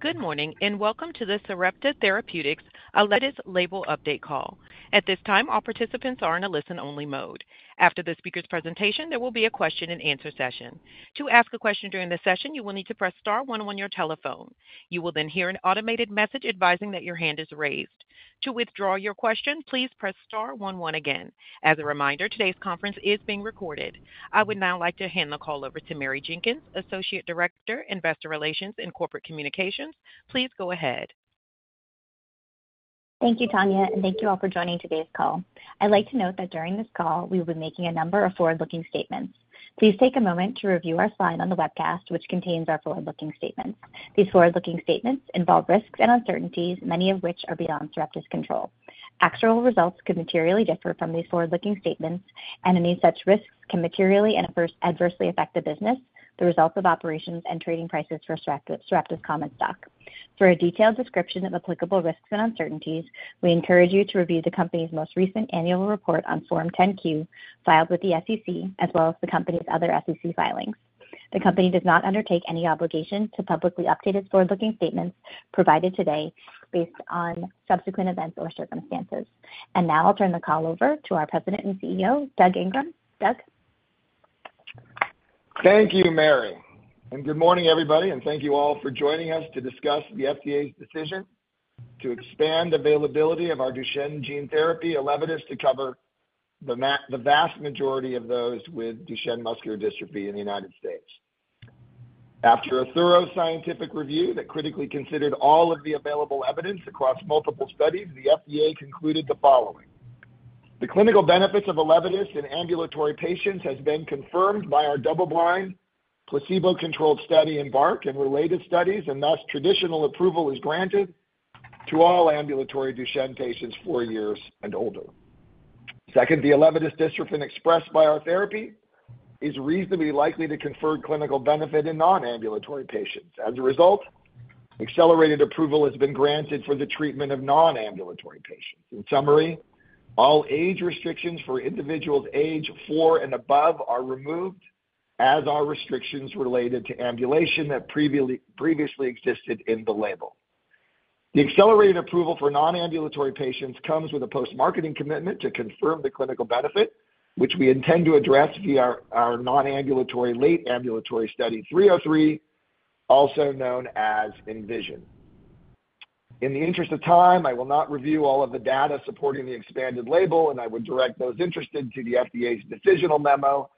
Good morning, and welcome to the Sarepta Therapeutics ELEVIDYS Label Update Call. At this time, all participants are in a listen-only mode. After the speaker's presentation, there will be a question-and-answer session. To ask a question during this session, you will need to press star one on your telephone. You will then hear an automated message advising that your hand is raised. To withdraw your question, please press star one one again. As a reminder, today's conference is being recorded. I would now like to hand the call over to Mary Jenkins, Associate Director, Investor Relations and Corporate Communications. Please go ahead. Thank you, Tanya, and thank you all for joining today's call. I'd like to note that during this call, we will be making a number of forward-looking statements. Please take a moment to review our slide on the webcast, which contains our forward-looking statements. These forward-looking statements involve risks and uncertainties, many of which are beyond Sarepta's control. Actual results could materially differ from these forward-looking statements, and any such risks can materially and adversely affect the business, the results of operations, and trading prices for Sarepta, Sarepta's common stock. For a detailed description of applicable risks and uncertainties, we encourage you to review the company's most recent annual report on Form 10-Q, filed with the SEC, as well as the company's other SEC filings. The company does not undertake any obligation to publicly update its forward-looking statements provided today based on subsequent events or circumstances. Now I'll turn the call over to our President and CEO, Doug Ingram. Doug? Thank you, Mary, and good morning, everybody, and thank you all for joining us to discuss the FDA's decision to expand availability of our Duchenne gene therapy, ELEVIDYS, to cover the vast majority of those with Duchenne muscular dystrophy in the United States. After a thorough scientific review that critically considered all of the available evidence across multiple studies, the FDA concluded the following: The clinical benefits of ELEVIDYS in ambulatory patients has been confirmed by our double-blind, placebo-controlled study, EMBARK, and related studies, and thus, traditional approval is granted to all ambulatory Duchenne patients 4 years and older. Second, the ELEVIDYS dystrophin expressed by our therapy is reasonably likely to confer clinical benefit in non-ambulatory patients. As a result, accelerated approval has been granted for the treatment of non-ambulatory patients. In summary, all age restrictions for individuals age four and above are removed, as are restrictions related to ambulation that previously existed in the label. The accelerated approval for non-ambulatory patients comes with a post-marketing commitment to confirm the clinical benefit, which we intend to address via our non-ambulatory, late ambulatory study 303, also known as ENVISION. In the interest of time, I will not review all of the data supporting the expanded label, and I would direct those interested to the FDA's decisional memo,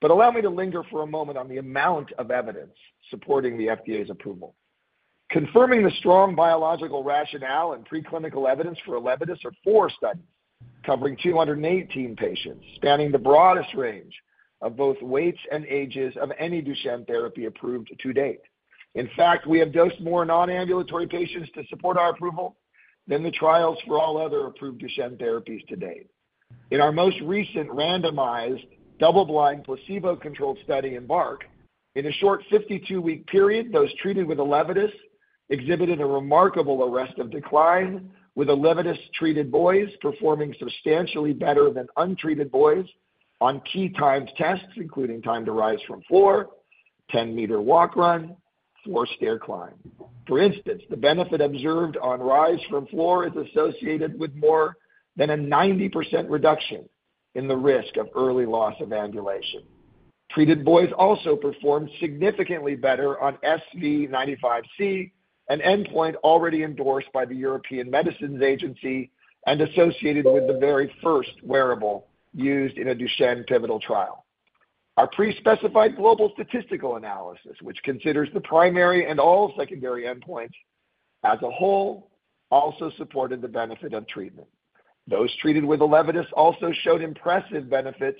but allow me to linger for a moment on the amount of evidence supporting the FDA's approval. Confirming the strong biological rationale and preclinical evidence for ELEVIDYS are four studies covering 218 patients, spanning the broadest range of both weights and ages of any Duchenne therapy approved to date. In fact, we have dosed more non-ambulatory patients to support our approval than the trials for all other approved Duchenne therapies to date. In our most recent randomized, double-blind, placebo-controlled study, EMBARK, in a short 52-week period, those treated with ELEVIDYS exhibited a remarkable arrest of decline, with ELEVIDYS-treated boys performing substantially better than untreated boys on key timed tests, including time to rise from floor, 10-meter walk/run, four-stair climb. For instance, the benefit observed on rise from floor is associated with more than a 90% reduction in the risk of early loss of ambulation. Treated boys also performed significantly better on SV95C, an endpoint already endorsed by the European Medicines Agency and associated with the very first wearable used in a Duchenne pivotal trial. Our pre-specified global statistical analysis, which considers the primary and all secondary endpoints as a whole, also supported the benefit of treatment. Those treated with ELEVIDYS also showed impressive benefits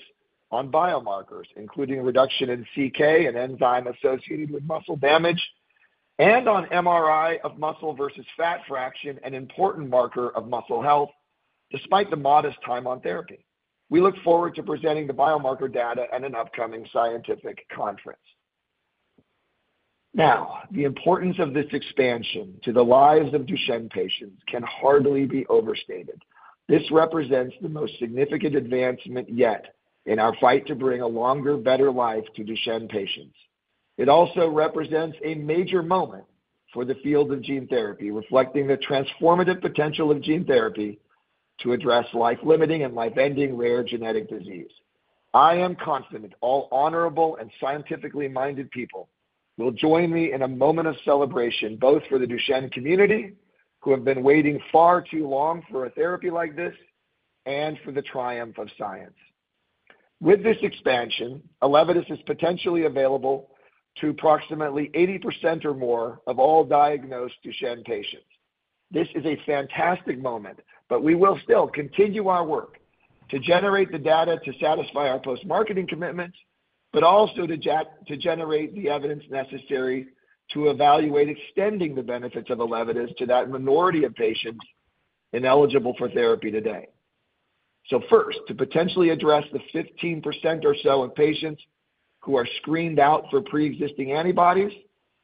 on biomarkers, including a reduction in CK and enzyme associated with muscle damage and on MRI of muscle versus fat fraction, an important marker of muscle health, despite the modest time on therapy. We look forward to presenting the biomarker data at an upcoming scientific conference. Now, the importance of this expansion to the lives of Duchenne patients can hardly be overstated. This represents the most significant advancement yet in our fight to bring a longer, better life to Duchenne patients. It also represents a major moment for the field of gene therapy, reflecting the transformative potential of gene therapy to address life-limiting and life-ending rare genetic disease. I am confident all honorable and scientifically-minded people will join me in a moment of celebration, both for the Duchenne community, who have been waiting far too long for a therapy like this, and for the triumph of science. With this expansion, ELEVIDYS is potentially available to approximately 80% or more of all diagnosed Duchenne patients. This is a fantastic moment, but we will still continue our work to generate the data to satisfy our post-marketing commitments, but also to generate the evidence necessary to evaluate extending the benefits of ELEVIDYS to that minority of patients ineligible for therapy today. So first, to potentially address the 15% or so of patients who are screened out for pre-existing antibodies,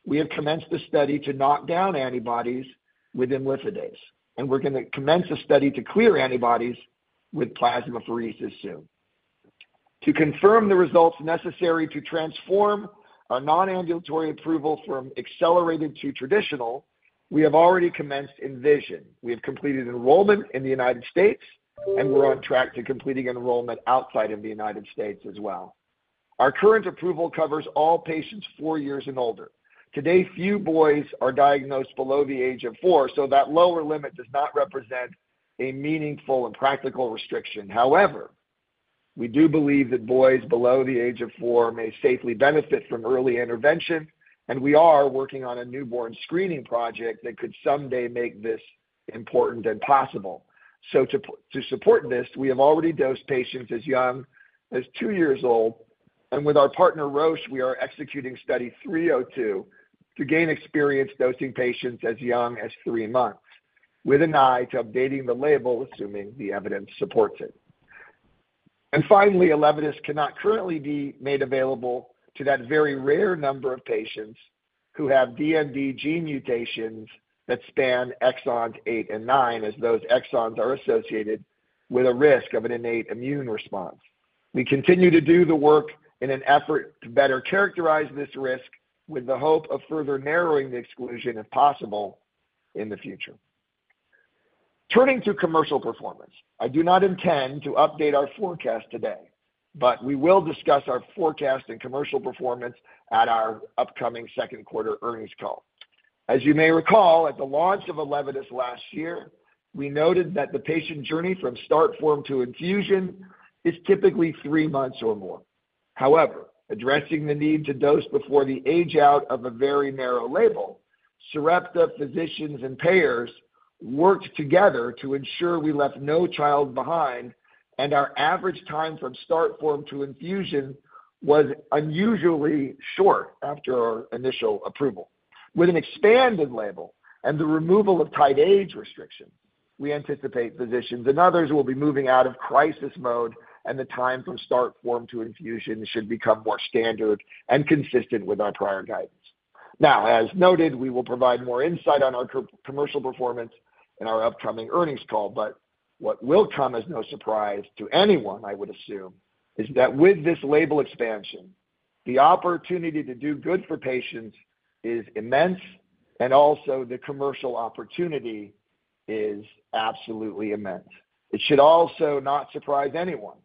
we have commenced a study to knock down antibodies with imlifidase, and we're gonna commence a study to clear antibodies with plasmapheresis soon. To confirm the results necessary to transform a non-ambulatory approval from accelerated to traditional, we have already commenced ENVISION. We have completed enrollment in the United States, and we're on track to completing enrollment outside of the United States as well. Our current approval covers all patients four years and older. Today, few boys are diagnosed below the age of four, so that lower limit does not represent a meaningful and practical restriction. However, we do believe that boys below the age of four may safely benefit from early intervention, and we are working on a newborn screening project that could someday make this important and possible. So to support this, we have already dosed patients as young as two years old, and with our partner, Roche, we are executing Study 302 to gain experience dosing patients as young as three months, with an eye to updating the label, assuming the evidence supports it. Finally, ELEVIDYS cannot currently be made available to that very rare number of patients who have DMD gene mutations that span exons 8 and 9, as those exons are associated with a risk of an innate immune response. We continue to do the work in an effort to better characterize this risk with the hope of further narrowing the exclusion, if possible, in the future. Turning to commercial performance. I do not intend to update our forecast today, but we will discuss our forecast and commercial performance at our upcoming Second Quarter Earnings Call. As you may recall, at the launch of ELEVIDYS last year, we noted that the patient journey from start form to infusion is typically three months or more. However, addressing the need to dose before the age out of a very narrow label, Sarepta physicians and payers worked together to ensure we left no child behind, and our average time from start form to infusion was unusually short after our initial approval. With an expanded label and the removal of tight age restriction, we anticipate physicians and others will be moving out of crisis mode, and the time from start form to infusion should become more standard and consistent with our prior guidance. Now, as noted, we will provide more insight on our commercial performance in our upcoming earnings call, but what will come as no surprise to anyone, I would assume, is that with this label expansion, the opportunity to do good for patients is immense, and also the commercial opportunity is absolutely immense. It should also not surprise anyone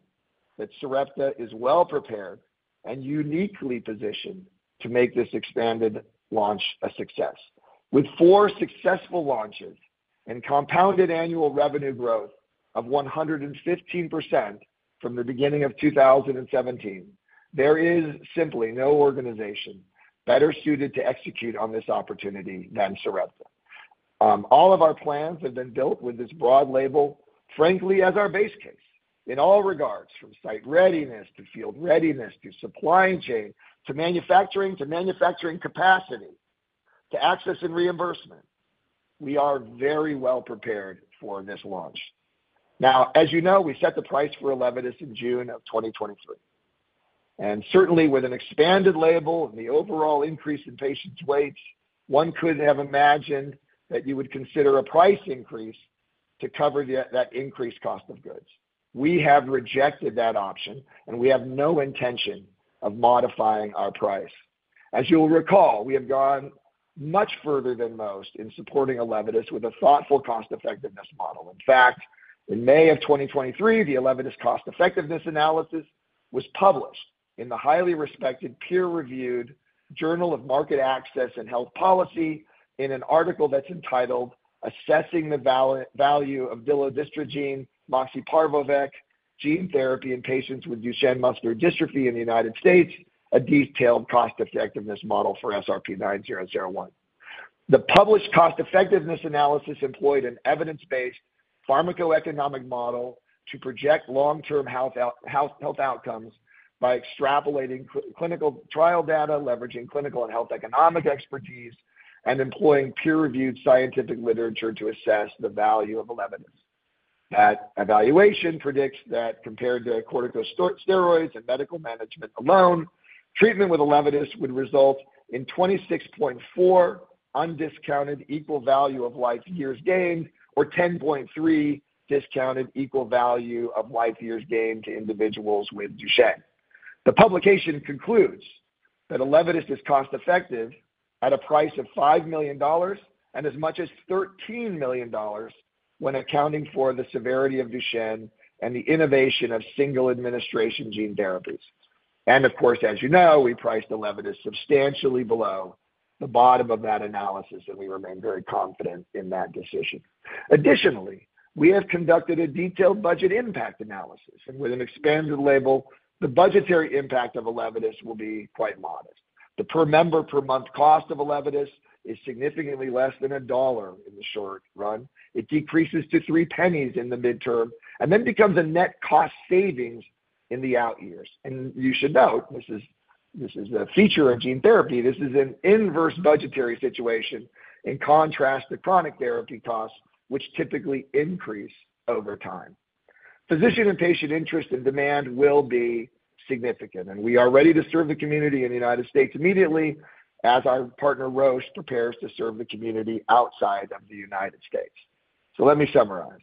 that Sarepta is well prepared and uniquely positioned to make this expanded launch a success. With four successful launches and compounded annual revenue growth of 115% from the beginning of 2017, there is simply no organization better suited to execute on this opportunity than Sarepta. All of our plans have been built with this broad label, frankly, as our base case in all regards, from site readiness to field readiness, to supply chain, to manufacturing, to manufacturing capacity, to access and reimbursement. We are very well prepared for this launch. Now, as you know, we set the price for ELEVIDYS in June of 2023, and certainly with an expanded label and the overall increase in patients' weights, one could have imagined that you would consider a price increase to cover that increased cost of goods. We have rejected that option, and we have no intention of modifying our price. As you'll recall, we have gone much further than most in supporting ELEVIDYS with a thoughtful cost-effectiveness model. In fact, in May of 2023, the ELEVIDYS cost-effectiveness analysis was published in the highly respected, peer-reviewed Journal of Market Access and Health Policy in an article that's entitled, "Assessing the value of delandistrogene moxeparvovec gene therapy in patients with Duchenne muscular dystrophy in the United States: A detailed cost-effectiveness model for SRP-9001." The published cost-effectiveness analysis employed an evidence-based pharmacoeconomic model to project long-term health outcomes by extrapolating clinical trial data, leveraging clinical and health economic expertise, and employing peer-reviewed scientific literature to assess the value of ELEVIDYS. That evaluation predicts that compared to corticosteroids and medical management alone, treatment with ELEVIDYS would result in 26.4 undiscounted equal value of life years gained, or 10.3 discounted equal value of life years gained to individuals with Duchenne. The publication concludes that ELEVIDYS is cost-effective at a price of $5 million and as much as $13 million when accounting for the severity of Duchenne and the innovation of single administration gene therapies. Of course, as you know, we priced ELEVIDYS substantially below the bottom of that analysis, and we remain very confident in that decision. Additionally, we have conducted a detailed budget impact analysis, and with an expanded label, the budgetary impact of ELEVIDYS will be quite modest. The per member per month cost of ELEVIDYS is significantly less than $1 in the short run. It decreases to $0.03 in the midterm and then becomes a net cost savings in the out years. You should note, this is a feature of gene therapy. This is an inverse budgetary situation, in contrast to chronic therapy costs, which typically increase over time. Physician and patient interest and demand will be significant, and we are ready to serve the community in the United States immediately as our partner, Roche, prepares to serve the community outside of the United States. So let me summarize.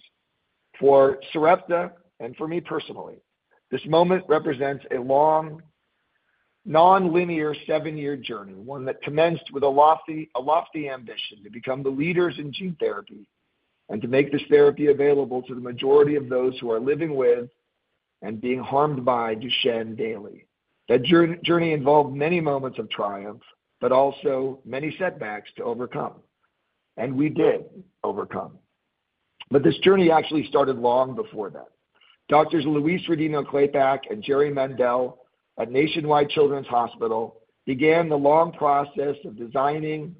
For Sarepta and for me personally, this moment represents a long, nonlinear, seven-year journey, one that commenced with a lofty, a lofty ambition to become the leaders in gene therapy and to make this therapy available to the majority of those who are living with and being harmed by Duchenne daily. That journey involved many moments of triumph, but also many setbacks to overcome, and we did overcome. But this journey actually started long before that. Doctors Louise Rodino-Klapac and Jerry Mendell at Nationwide Children’s Hospital began the long process of designing,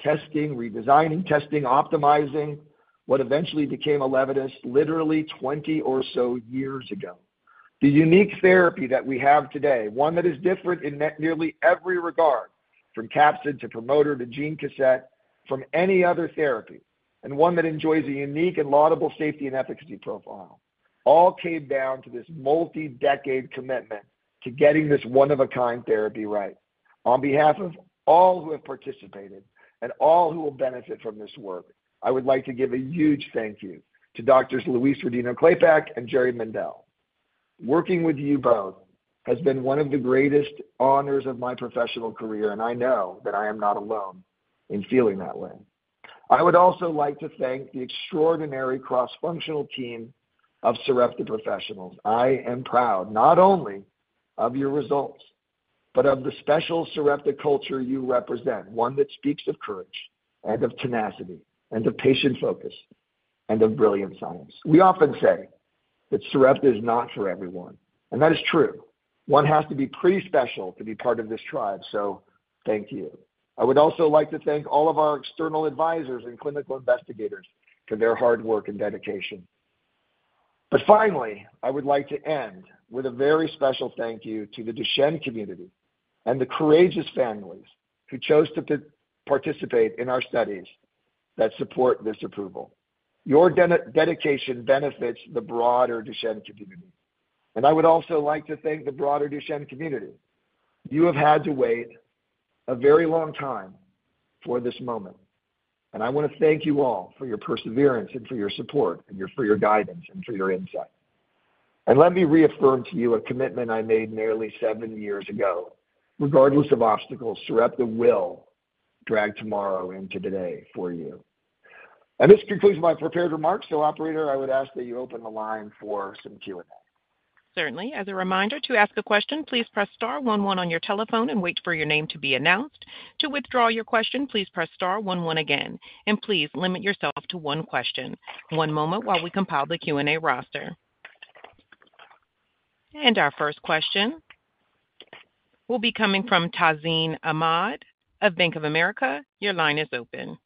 testing, redesigning, testing, optimizing what eventually became ELEVIDYS, literally 20 or so years ago. The unique therapy that we have today, one that is different in nearly every regard, from capsid to promoter to gene cassette, from any other therapy, and one that enjoys a unique and laudable safety and efficacy profile, all came down to this multi-decade commitment to getting this one-of-a-kind therapy right. On behalf of all who have participated and all who will benefit from this work, I would like to give a huge thank you to Doctors Louise Rodino-Klapac and Jerry Mendell. Working with you both has been one of the greatest honors of my professional career, and I know that I am not alone in feeling that way. I would also like to thank the extraordinary cross-functional team of Sarepta professionals. I am proud not only of your results, but of the special Sarepta culture you represent, one that speaks of courage and of tenacity and of patient focus and of brilliant science. We often say that Sarepta is not for everyone, and that is true. One has to be pretty special to be part of this tribe, so thank you. I would also like to thank all of our external advisors and clinical investigators for their hard work and dedication. Finally, I would like to end with a very special thank you to the Duchenne community and the courageous families who chose to participate in our studies that support this approval. Your dedication benefits the broader Duchenne community, and I would also like to thank the broader Duchenne community. You have had to wait a very long time for this moment, and I want to thank you all for your perseverance and for your support and your guidance and for your insight. Let me reaffirm to you a commitment I made nearly seven years ago: regardless of obstacles, Sarepta will drag tomorrow into today for you. This concludes my prepared remarks. So, operator, I would ask that you open the line for some Q&A. Certainly. As a reminder, to ask a question, please press star one, one on your telephone and wait for your name to be announced. To withdraw your question, please press star one, one again, and please limit yourself to one question. One moment while we compile the Q&A roster. Our first question will be coming from Tazeen Ahmad of Bank of America. Your line is open.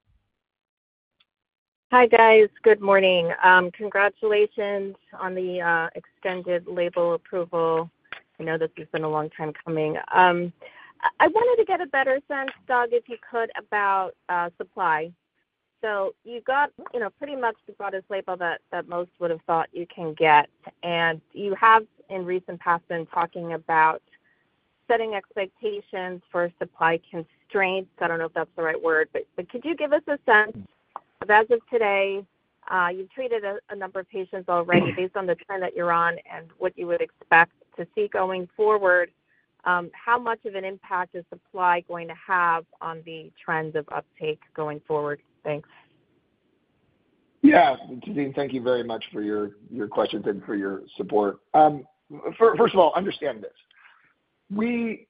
Hi, guys. Good morning. Congratulations on the extended label approval. I know this has been a long time coming. I wanted to get a better sense, Doug, if you could, about supply. So you got, you know, pretty much the broadest label that most would have thought you can get. And you have, in recent past, been talking about setting expectations for supply constraints. I don't know if that's the right word, but could you give us a sense, as of today, you've treated a number of patients already. Based on the trend that you're on and what you would expect to see going forward, how much of an impact is supply going to have on the trends of uptake going forward? Thanks. Yeah, Tazeen, thank you very much for your, your questions and for your support. First of all, understand this: We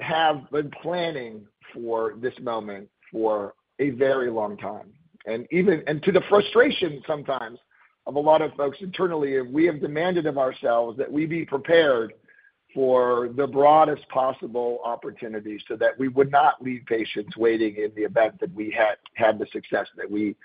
have been planning for this moment for a very long time, and to the frustration sometimes of a lot of folks internally, we have demanded of ourselves that we be prepared for the broadest possible opportunity, so that we would not leave patients waiting in the event that we had the success that we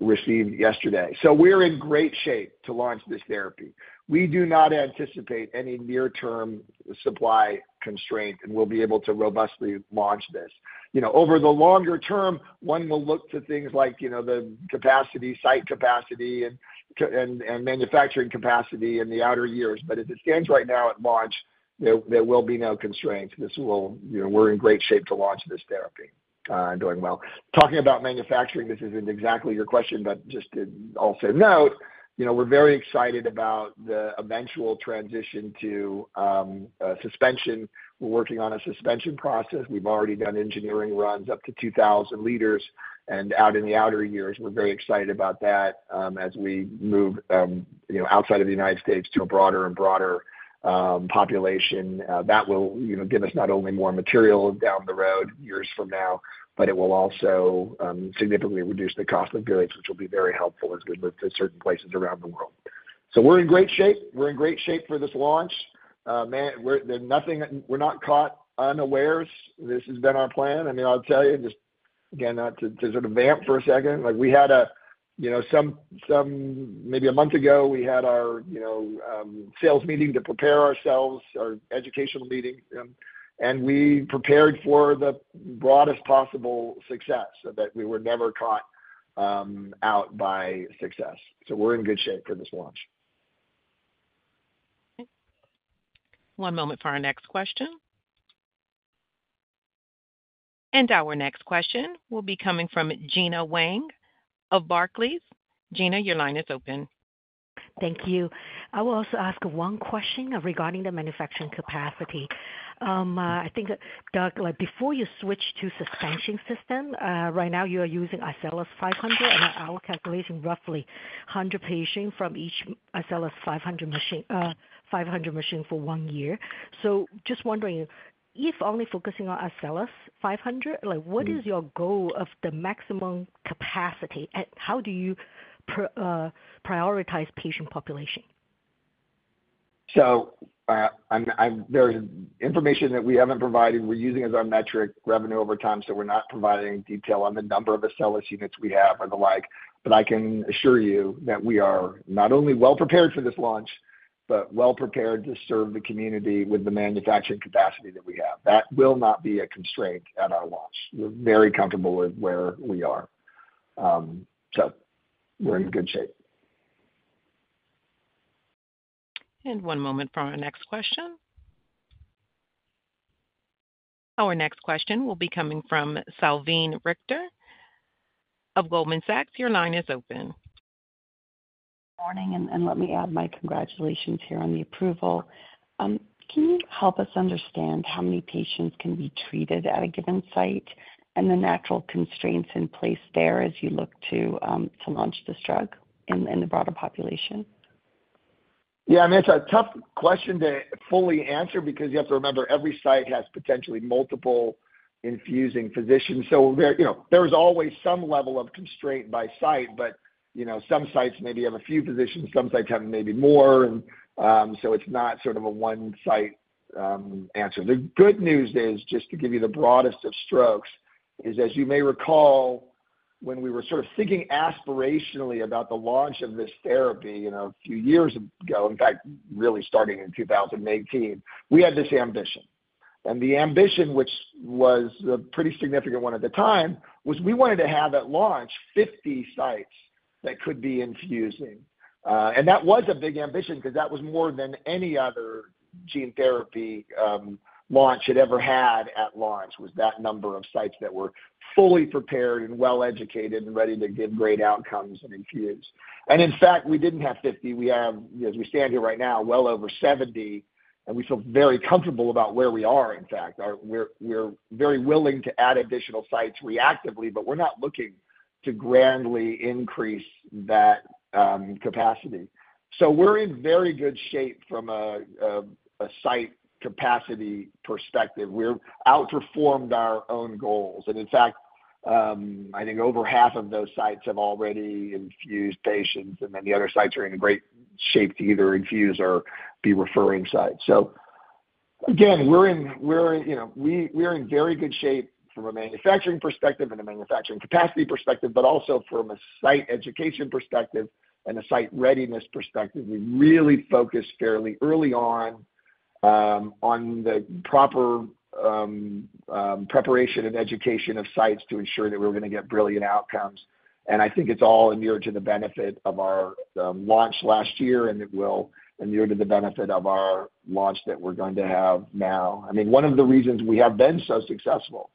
received yesterday. So we're in great shape to launch this therapy. We do not anticipate any near-term supply constraint, and we'll be able to robustly launch this. You know, over the longer term, one will look to things like, you know, the capacity, site capacity, and manufacturing capacity in the outer years. But as it stands right now, at launch, there will be no constraints. This will, you know, we're in great shape to launch this therapy, and doing well. Talking about manufacturing, this isn't exactly your question, but just to also note, you know, we're very excited about the eventual transition to suspension. We're working on a suspension process. We've already done engineering runs up to 2,000 L and out in the outer years. We're very excited about that, as we move, you know, outside of the United States to a broader and broader population. That will, you know, give us not only more material down the road, years from now, but it will also significantly reduce the cost of goods, which will be very helpful as we move to certain places around the world. So we're in great shape. We're in great shape for this launch. Man, we're, there's nothing. We're not caught unawares. This has been our plan. I mean, I'll tell you, just again, not to sort of vamp for a second, like we had a, you know, some maybe a month ago, we had our, you know, sales meeting to prepare ourselves, our educational meeting, and we prepared for the broadest possible success, so that we were never caught out by success. So we're in good shape for this launch. One moment for our next question. Our next question will be coming from Gena Wang of Barclays. Gena, your line is open. Thank you. I will also ask one question regarding the manufacturing capacity. I think, Doug, like, before you switch to suspension system, right now, you are using AcelEx 500, and our calculation, roughly 100 patients from each AcelEx 500 machine, 500 machine for 1 year. So just wondering if only focusing on AcelEx 500, like, what is your goal of the maximum capacity, and how do you prioritize patient population? So, there's information that we haven't provided. We're using as our metric revenue over time, so we're not providing detail on the number of ELEVIDYS units we have or the like. But I can assure you that we are not only well prepared for this launch, but well prepared to serve the community with the manufacturing capacity that we have. That will not be a constraint at our launch. We're very comfortable with where we are, so we're in good shape. One moment for our next question. Our next question will be coming from Salveen Richter of Goldman Sachs. Your line is open. Morning, and let me add my congratulations here on the approval. Can you help us understand how many patients can be treated at a given site and the natural constraints in place there as you look to launch this drug in the broader population? Yeah, I mean, it's a tough question to fully answer because you have to remember, every site has potentially multiple infusing physicians. So there, you know, there's always some level of constraint by site, but, you know, some sites maybe have a few physicians, some sites have maybe more. And, so it's not sort of a one-site, answer. The good news is, just to give you the broadest of strokes, is, as you may recall, when we were sort of thinking aspirationally about the launch of this therapy, you know, a few years ago, in fact, really starting in 2018, we had this ambition. And the ambition, which was a pretty significant one at the time, was we wanted to have, at launch, 50 sites that could be infusing. And that was a big ambition because that was more than any other gene therapy launch had ever had at launch, was that number of sites that were fully prepared and well-educated and ready to give great outcomes and infuse. And in fact, we didn't have 50. We have, as we stand here right now, well over 70, and we feel very comfortable about where we are, in fact. We're very willing to add additional sites reactively, but we're not looking to grandly increase that capacity. So we're in very good shape from a site capacity perspective. We've outperformed our own goals. And in fact, I think over half of those sites have already infused patients, and then the other sites are in great shape to either infuse or be referring sites. So again, we're in very good shape from a manufacturing perspective and a manufacturing capacity perspective, but also from a site education perspective and a site readiness perspective. We really focused fairly early on the proper preparation and education of sites to ensure that we're gonna get brilliant outcomes. And I think it's all inured to the benefit of our launch last year, and it will inure to the benefit of our launch that we're going to have now. I mean, one of the reasons we have been so successful,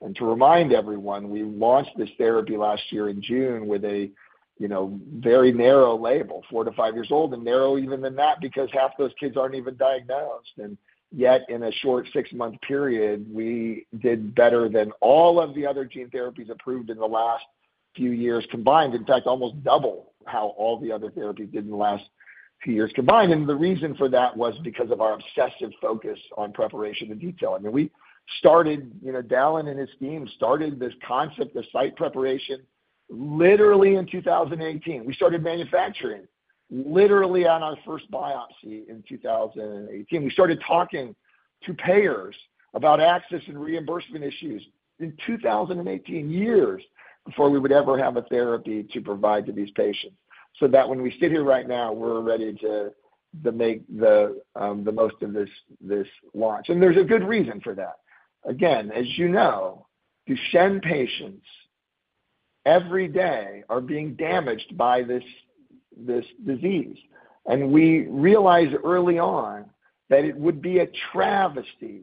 and to remind everyone, we launched this therapy last year in June with a, you know, very narrow label, 4-5 years old, and narrower even than that, because half those kids aren't even diagnosed. And yet, in a short six-month period, we did better than all of the other gene therapies approved in the last few years combined, in fact, almost double how all the other therapies did in the last few years combined. And the reason for that was because of our obsessive focus on preparation and detail. I mean, we started, you know, Dallan and his team started this concept, the site preparation, literally in 2018. We started manufacturing literally on our first biopsy in 2018. We started talking to payers about access and reimbursement issues in 2018, years before we would ever have a therapy to provide to these patients, so that when we sit here right now, we're ready to make the most of this launch, and there's a good reason for that. Again, as you know, Duchenne patients every day are being damaged by this, this disease, and we realized early on that it would be a travesty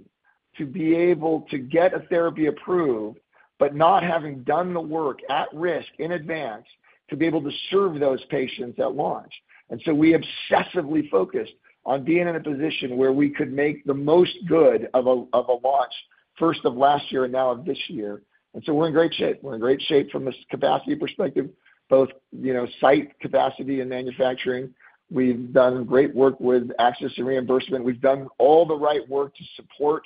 to be able to get a therapy approved, but not having done the work at risk in advance to be able to serve those patients at launch. And so we obsessively focused on being in a position where we could make the most good of a, of a launch, first of last year and now of this year. And so we're in great shape. We're in great shape from a capacity perspective, both, you know, site capacity and manufacturing. We've done great work with access and reimbursement. We've done all the right work to support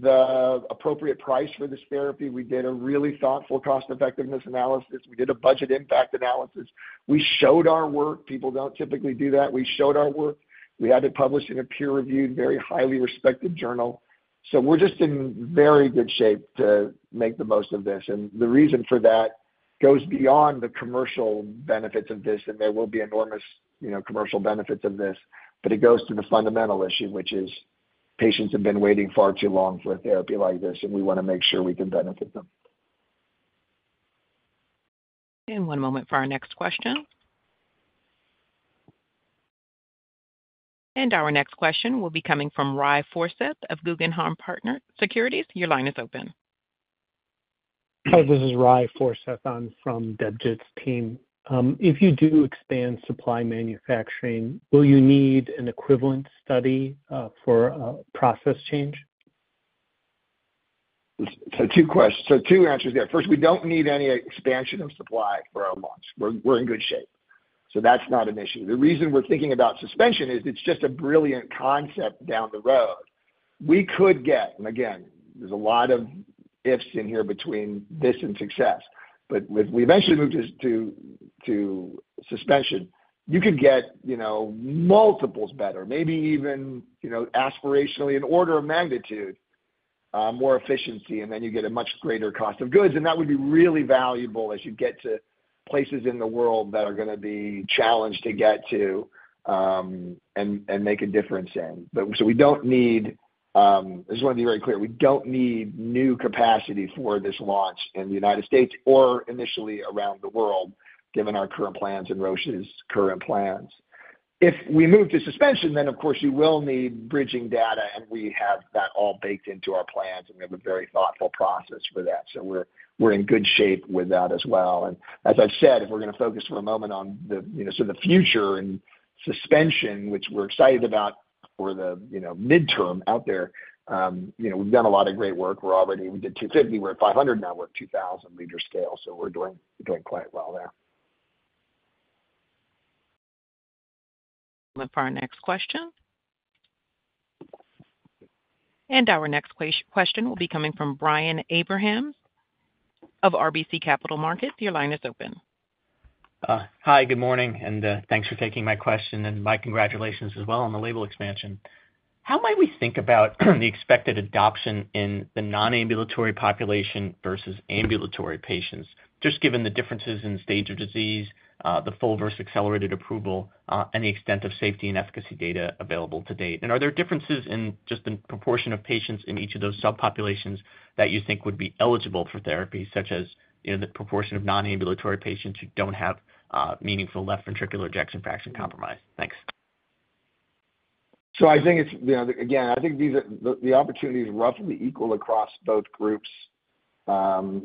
the appropriate price for this therapy. We did a really thoughtful cost-effectiveness analysis. We did a budget impact analysis. We showed our work. People don't typically do that. We showed our work. We had it published in a peer-reviewed, very highly respected journal. So we're just in very good shape to make the most of this, and the reason for that goes beyond the commercial benefits of this, and there will be enormous, you know, commercial benefits of this. But it goes to the fundamental issue, which is patients have been waiting far too long for a therapy like this, and we want to make sure we can benefit them. One moment for our next question. Our next question will be coming from Rai Forsyth of Guggenheim Securities. Your line is open. Hi, this is Rai Forsyth. I'm from Debjit's team. If you do expand supply manufacturing, will you need an equivalent study for a process change? So two answers there. First, we don't need any expansion of supply for our launch. We're in good shape, so that's not an issue. The reason we're thinking about suspension is it's just a brilliant concept down the road. We could get, and again, there's a lot of ifs in here between this and success, but if we eventually move to suspension, you could get, you know, multiples better, maybe even, you know, aspirationally, an order of magnitude more efficiency, and then you get a much greater cost of goods. And that would be really valuable as you get to places in the world that are gonna be challenged to get to and make a difference in. But so we don't need. I just wanna be very clear. We don't need new capacity for this launch in the United States or initially around the world, given our current plans and Roche's current plans. If we move to suspension, then, of course, you will need bridging data, and we have that all baked into our plans, and we have a very thoughtful process for that. So we're in good shape with that as well. And as I've said, if we're gonna focus for a moment on the, you know, so the future and suspension, which we're excited about, for the, you know, midterm out there, you know, we've done a lot of great work. We're already, we did 250, we're at 500, now we're at 2,000 L scale, so we're doing quite well there. Look for our next question. Our next question will be coming from Brian Abrahams of RBC Capital Markets. Your line is open. Hi, good morning, and thanks for taking my question, and my congratulations as well on the label expansion. How might we think about the expected adoption in the non-ambulatory population versus ambulatory patients, just given the differences in stage of disease, the full versus accelerated approval, and the extent of safety and efficacy data available to date? Are there differences in just the proportion of patients in each of those subpopulations that you think would be eligible for therapy, such as, you know, the proportion of non-ambulatory patients who don't have meaningful left ventricular ejection fraction compromise? Thanks. So I think it's, you know, again, I think these are the, the opportunity is roughly equal across both groups. You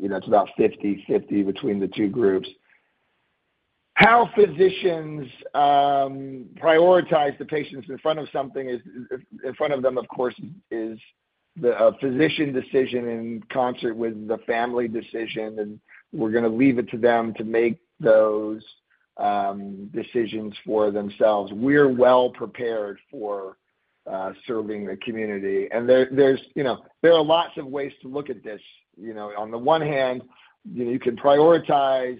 know, it's about 50/50 between the two groups. How physicians prioritize the patients in front of them, of course, is a physician decision in concert with the family decision, and we're gonna leave it to them to make those decisions for themselves. We're well prepared for serving the community. And there, there's, you know, there are lots of ways to look at this. You know, on the one hand, you know, you can prioritize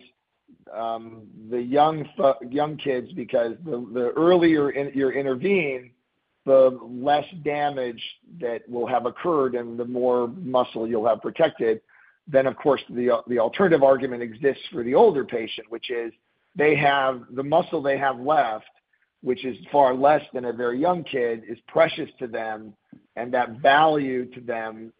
the young kids because the earlier you intervene, the less damage that will have occurred and the more muscle you'll have protected. Then, of course, the alternative argument exists for the older patient, which is they have. The muscle they have left, which is far less than a very young kid, is precious to them, and that value to them,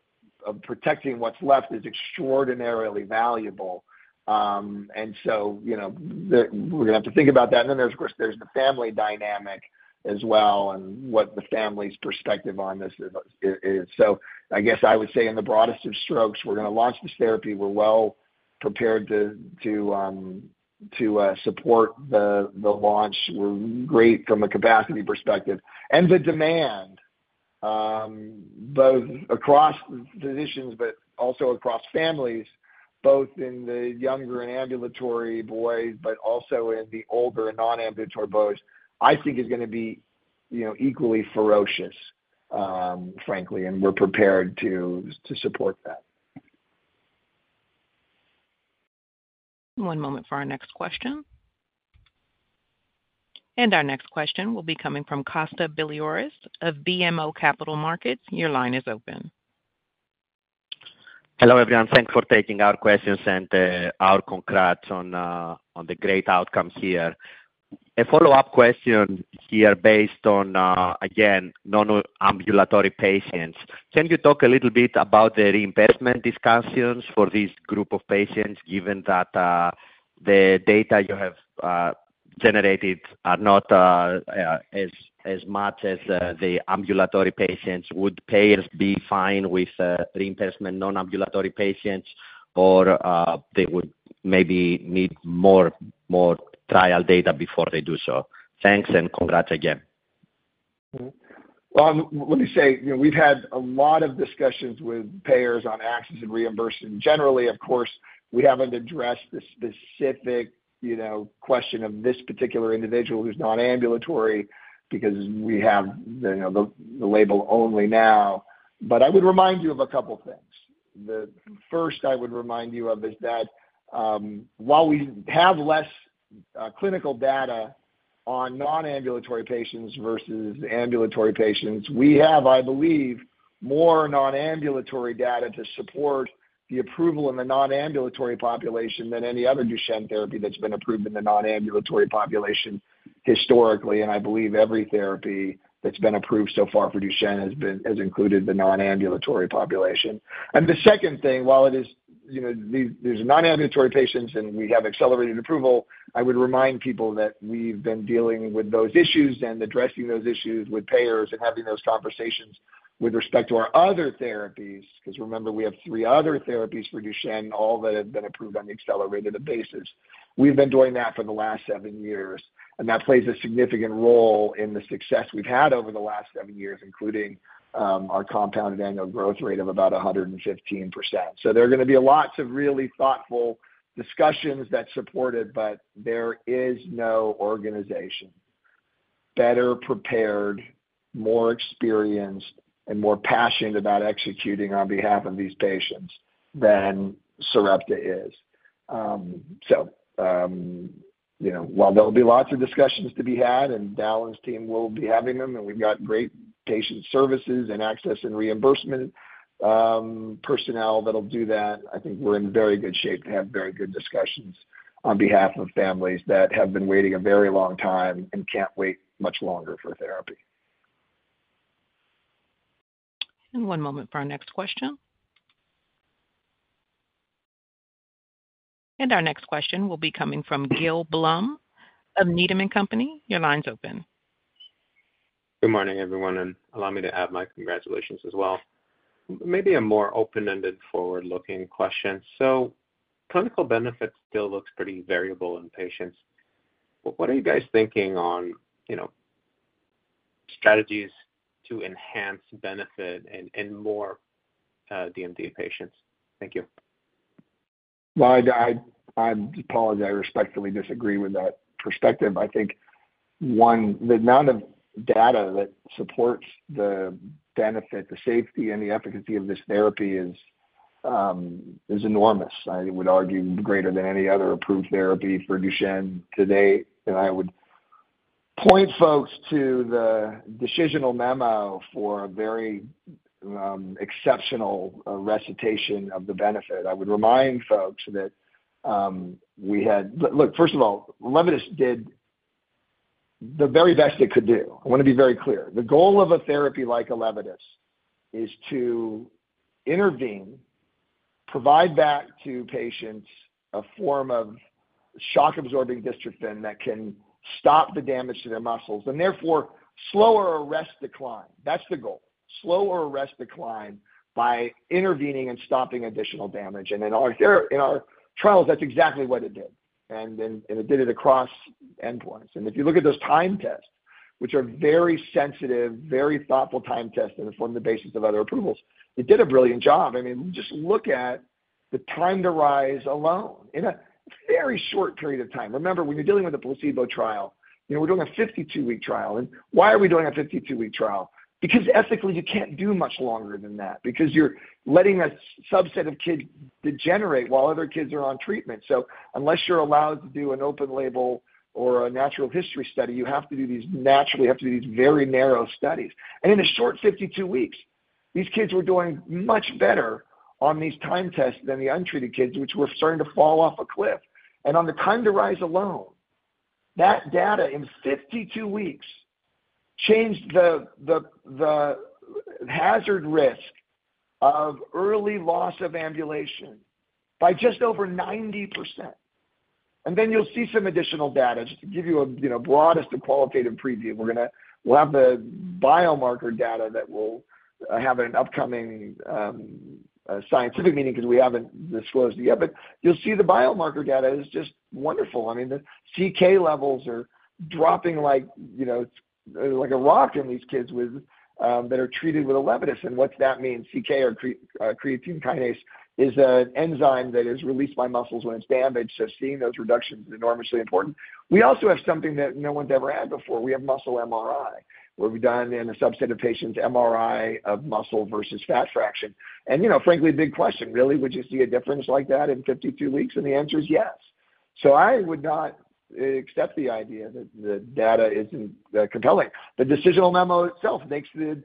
of protecting what's left, is extraordinarily valuable. And so, you know, we're gonna have to think about that. And then, there's, of course, there's the family dynamic as well and what the family's perspective on this is, is. So I guess I would say in the broadest of strokes, we're gonna launch this therapy. We're well prepared to support the launch. We're great from a capacity perspective. And the demand, both across physicians but also across families, both in the younger and ambulatory boys, but also in the older non-ambulatory boys, I think is gonna be, you know, equally ferocious, frankly, and we're prepared to support that. One moment for our next question. Our next question will be coming from Kostas Biliouris of BMO Capital Markets. Your line is open. Hello, everyone. Thanks for taking our questions, and our congrats on the great outcome here. A follow-up question here, based on again, non-ambulatory patients. Can you talk a little bit about the reimbursement discussions for these group of patients, given that the data you have generated are not as much as the ambulatory patients? Would payers be fine with reimbursement non-ambulatory patients, or they would maybe need more trial data before they do so? Thanks, and congrats again. Well, let me say, you know, we've had a lot of discussions with payers on access and reimbursement. Generally, of course, we haven't addressed the specific, you know, question of this particular individual who's non-ambulatory because we have the, you know, the label only now. But I would remind you of a couple things. The first I would remind you of is that, while we have less clinical data on non-ambulatory patients versus ambulatory patients, we have, I believe, more non-ambulatory data to support the approval in the non-ambulatory population than any other Duchenne therapy that's been approved in the non-ambulatory population historically. And I believe every therapy that's been approved so far for Duchenne has included the non-ambulatory population. And the second thing, while it is, you know, these are non-ambulatory patients, and we have accelerated approval. I would remind people that we've been dealing with those issues and addressing those issues with payers and having those conversations with respect to our other therapies, because remember, we have three other therapies for Duchenne, all that have been approved on an accelerated basis. We've been doing that for the last seven years, and that plays a significant role in the success we've had over the last seven years, including our compounded annual growth rate of about 115%. So there are gonna be lots of really thoughtful discussions that support it, but there is no organization better prepared, more experienced, and more passionate about executing on behalf of these patients than Sarepta is. You know, while there will be lots of discussions to be had, and Dallan's team will be having them, and we've got great patient services and access and reimbursement personnel that'll do that, I think we're in very good shape to have very good discussions on behalf of families that have been waiting a very long time and can't wait much longer for therapy. One moment for our next question. Our next question will be coming from Gil Blum of Needham & Company. Your line's open. Good morning, everyone, and allow me to add my congratulations as well. Maybe a more open-ended, forward-looking question. So clinical benefit still looks pretty variable in patients. What are you guys thinking on, you know, strategies to enhance benefit in more DMD patients? Thank you. Well, I apologize. I respectfully disagree with that perspective. I think, one, the amount of data that supports the benefit, the safety, and the efficacy of this therapy is enormous. I would argue, greater than any other approved therapy for Duchenne to date. And I would point folks to the decisional memo for a very exceptional recitation of the benefit. I would remind folks that we had. Look, first of all, ELEVIDYS did the very best it could do. I wanna be very clear. The goal of a therapy like ELEVIDYS is to intervene, provide back to patients a form of shock-absorbing dystrophin that can stop the damage to their muscles, and therefore, slower arrest decline. That's the goal. Slower arrest decline by intervening and stopping additional damage. In our trials, that's exactly what it did, and it did it across endpoints. And if you look at those time tests, which are very sensitive, very thoughtful time tests, and it's one of the basis of other approvals, it did a brilliant job. I mean, just look at the time to rise alone in a very short period of time. Remember, when you're dealing with a placebo trial, you know, we're doing a 52-week trial. And why are we doing a 52-week trial? Because ethically, you can't do much longer than that because you're letting a subset of kids degenerate while other kids are on treatment. So unless you're allowed to do an open label or a natural history study, you have to do these naturally, you have to do these very narrow studies. And in a short 52 weeks, these kids were doing much better on these time tests than the untreated kids, which were starting to fall off a cliff. And on the time to rise alone, that data in 52 weeks changed the hazard risk of early loss of ambulation by just over 90%. And then you'll see some additional data. Just to give you a, you know, broadest and qualitative preview, we'll have the biomarker data that will have an upcoming scientific meaning because we haven't disclosed it yet. But you'll see the biomarker data is just wonderful. I mean, the CK levels are dropping like, you know, it's like a rock in these kids that are treated with ELEVIDYS. And what that means, CK or Creatine Kinase, is an enzyme that is released by muscles when it's damaged, so seeing those reductions is enormously important. We also have something that no one's ever had before. We have muscle MRI, where we've done in a subset of patients, MRI of muscle versus fat fraction. And, you know, frankly, big question, really, would you see a difference like that in 52 weeks? And the answer is yes. So I would not accept the idea that the data isn't compelling. The decisional memo itself makes the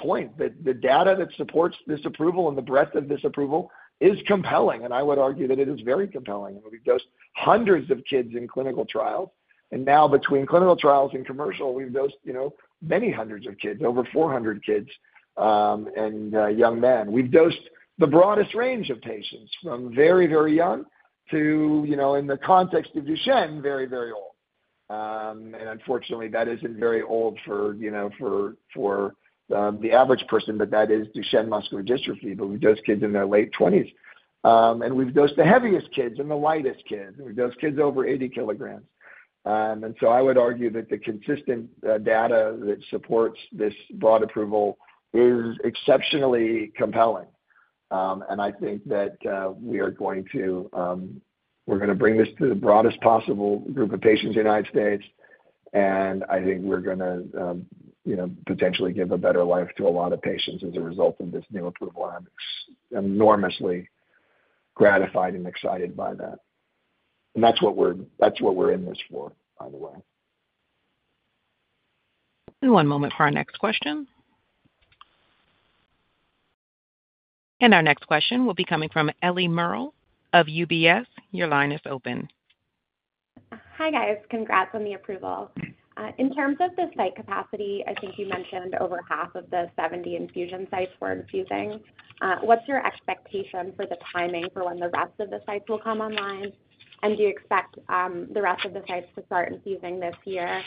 point that the data that supports this approval and the breadth of this approval is compelling, and I would argue that it is very compelling. We've dosed hundreds of kids in clinical trials, and now between clinical trials and commercial, we've dosed, you know, many hundreds of kids, over 400 kids, young men. We've dosed the broadest range of patients from very, very young to, you know, in the context of Duchenne, very, very old. Unfortunately, that isn't very old for, you know, the average person, but that is Duchenne muscular dystrophy, but we dose kids in their late twenties. We've dosed the heaviest kids and the lightest kids. We've dosed kids over 80 kg. and so I would argue that the consistent data that supports this broad approval is exceptionally compelling, and I think that, we are going to, we're gonna bring this to the broadest possible group of patients in the United States, and I think we're gonna, you know, potentially give a better life to a lot of patients as a result of this new approval, and I'm enormously gratified and excited by that. And that's what we're, that's what we're in this for, by the way. One moment for our next question. Our next question will be coming from Eliana Merle of UBS. Your line is open. Hi, guys. Congrats on the approval. In terms of the site capacity, I think you mentioned over half of the 70 infusion sites were infusing. What's your expectation for the timing for when the rest of the sites will come online? And do you expect the rest of the sites to start infusing this year?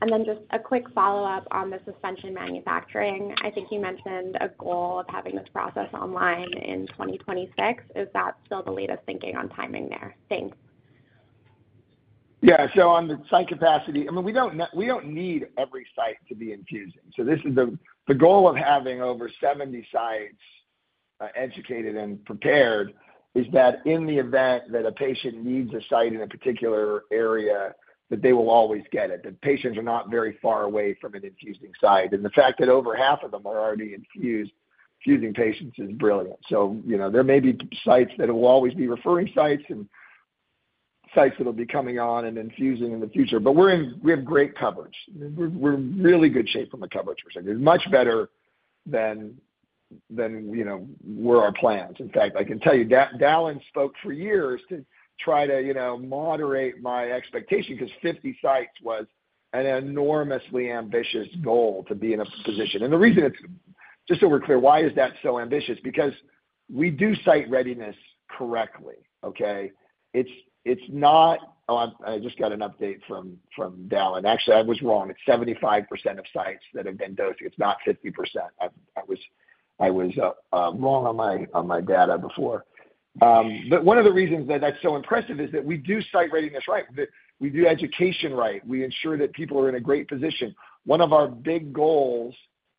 And then just a quick follow-up on the suspension manufacturing. I think you mentioned a goal of having this process online in 2026. Is that still the latest thinking on timing there? Thanks. Yeah, so on the site capacity, I mean, we don't need every site to be infusing. So this is the goal of having over 70 sites educated and prepared, is that in the event that a patient needs a site in a particular area, that they will always get it, that patients are not very far away from an infusing site. And the fact that over half of them are already infusing patients is brilliant. So, you know, there may be sites that will always be referring sites and sites that will be coming on and infusing in the future, but we're in, we have great coverage. We're in really good shape from a coverage perspective, much better than what our plans were. In fact, I can tell you, Dallan spoke for years to try to, you know, moderate my expectation, because 50 sites was an enormously ambitious goal to be in a position. And the reason it's. Just so we're clear, why is that so ambitious? Because we do site readiness correctly, okay? It's not. Oh, I just got an update from Dallan. Actually, I was wrong; it's 75% of sites that have been dosing. It's not 50%. I was wrong on my data before. But one of the reasons that that's so impressive is that we do site readiness right. That we do education right. We ensure that people are in a great position. One of our big goals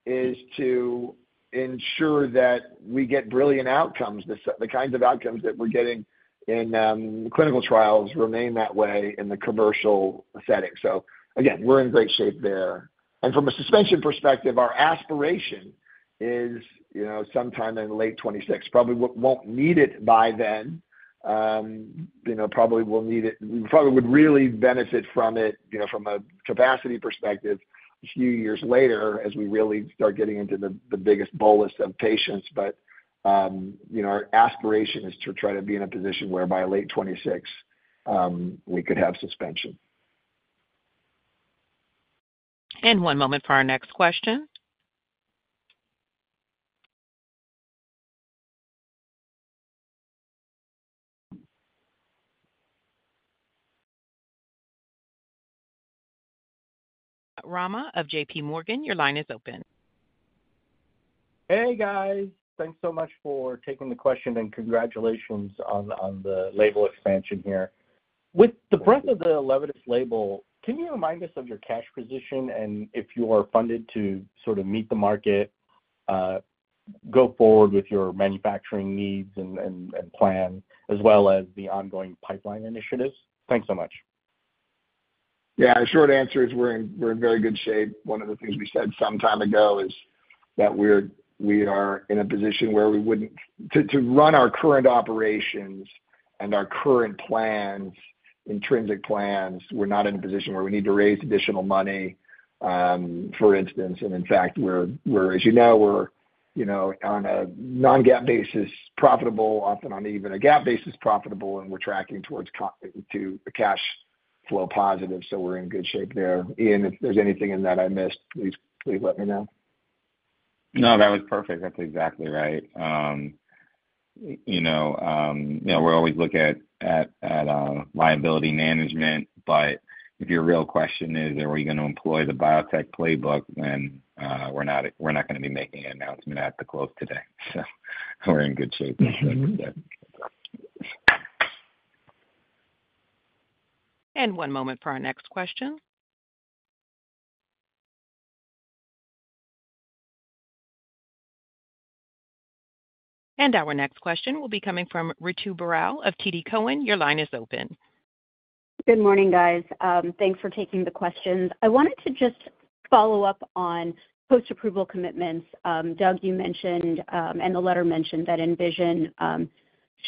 is to ensure that we get brilliant outcomes. The kinds of outcomes that we're getting in clinical trials remain that way in the commercial setting. So again, we're in great shape there. And from a suspension perspective, our aspiration is, you know, sometime in late 2026. Probably won't need it by then, you know, probably will need it, probably would really benefit from it, you know, from a capacity perspective, a few years later, as we really start getting into the biggest bolus of patients. But, you know, our aspiration is to try to be in a position where by late 2026, we could have suspension. One moment for our next question. Rama of J.P. Morgan, your line is open. Hey, guys! Thanks so much for taking the question, and congratulations on the label expansion here. With the breadth of the ELEVIDYS label, can you remind us of your cash position and if you are funded to sort of meet the market, go forward with your manufacturing needs and plan, as well as the ongoing pipeline initiatives? Thanks so much. Yeah, the short answer is we're in very good shape. One of the things we said some time ago is that we are in a position where we wouldn't to run our current operations and our current plans, intrinsic plans, we're not in a position where we need to raise additional money, for instance. And in fact, as you know, we're you know, on a non-GAAP basis, profitable, often on even a GAAP basis, profitable, and we're tracking towards cash flow positive, so we're in good shape there. Ian, if there's anything in that I missed, please let me know. No, that was perfect. That's exactly right. You know, you know, we're always looking at liability management, but if your real question is, are we gonna employ the biotech playbook? Then, we're not, we're not gonna be making an announcement at the close today. So we're in good shape. One moment for our next question. Our next question will be coming from Ritu Baral of TD Cowen. Your line is open. Good morning, guys. Thanks for taking the questions. I wanted to just follow up on post-approval commitments. Doug, you mentioned, and the letter mentioned that ENVISION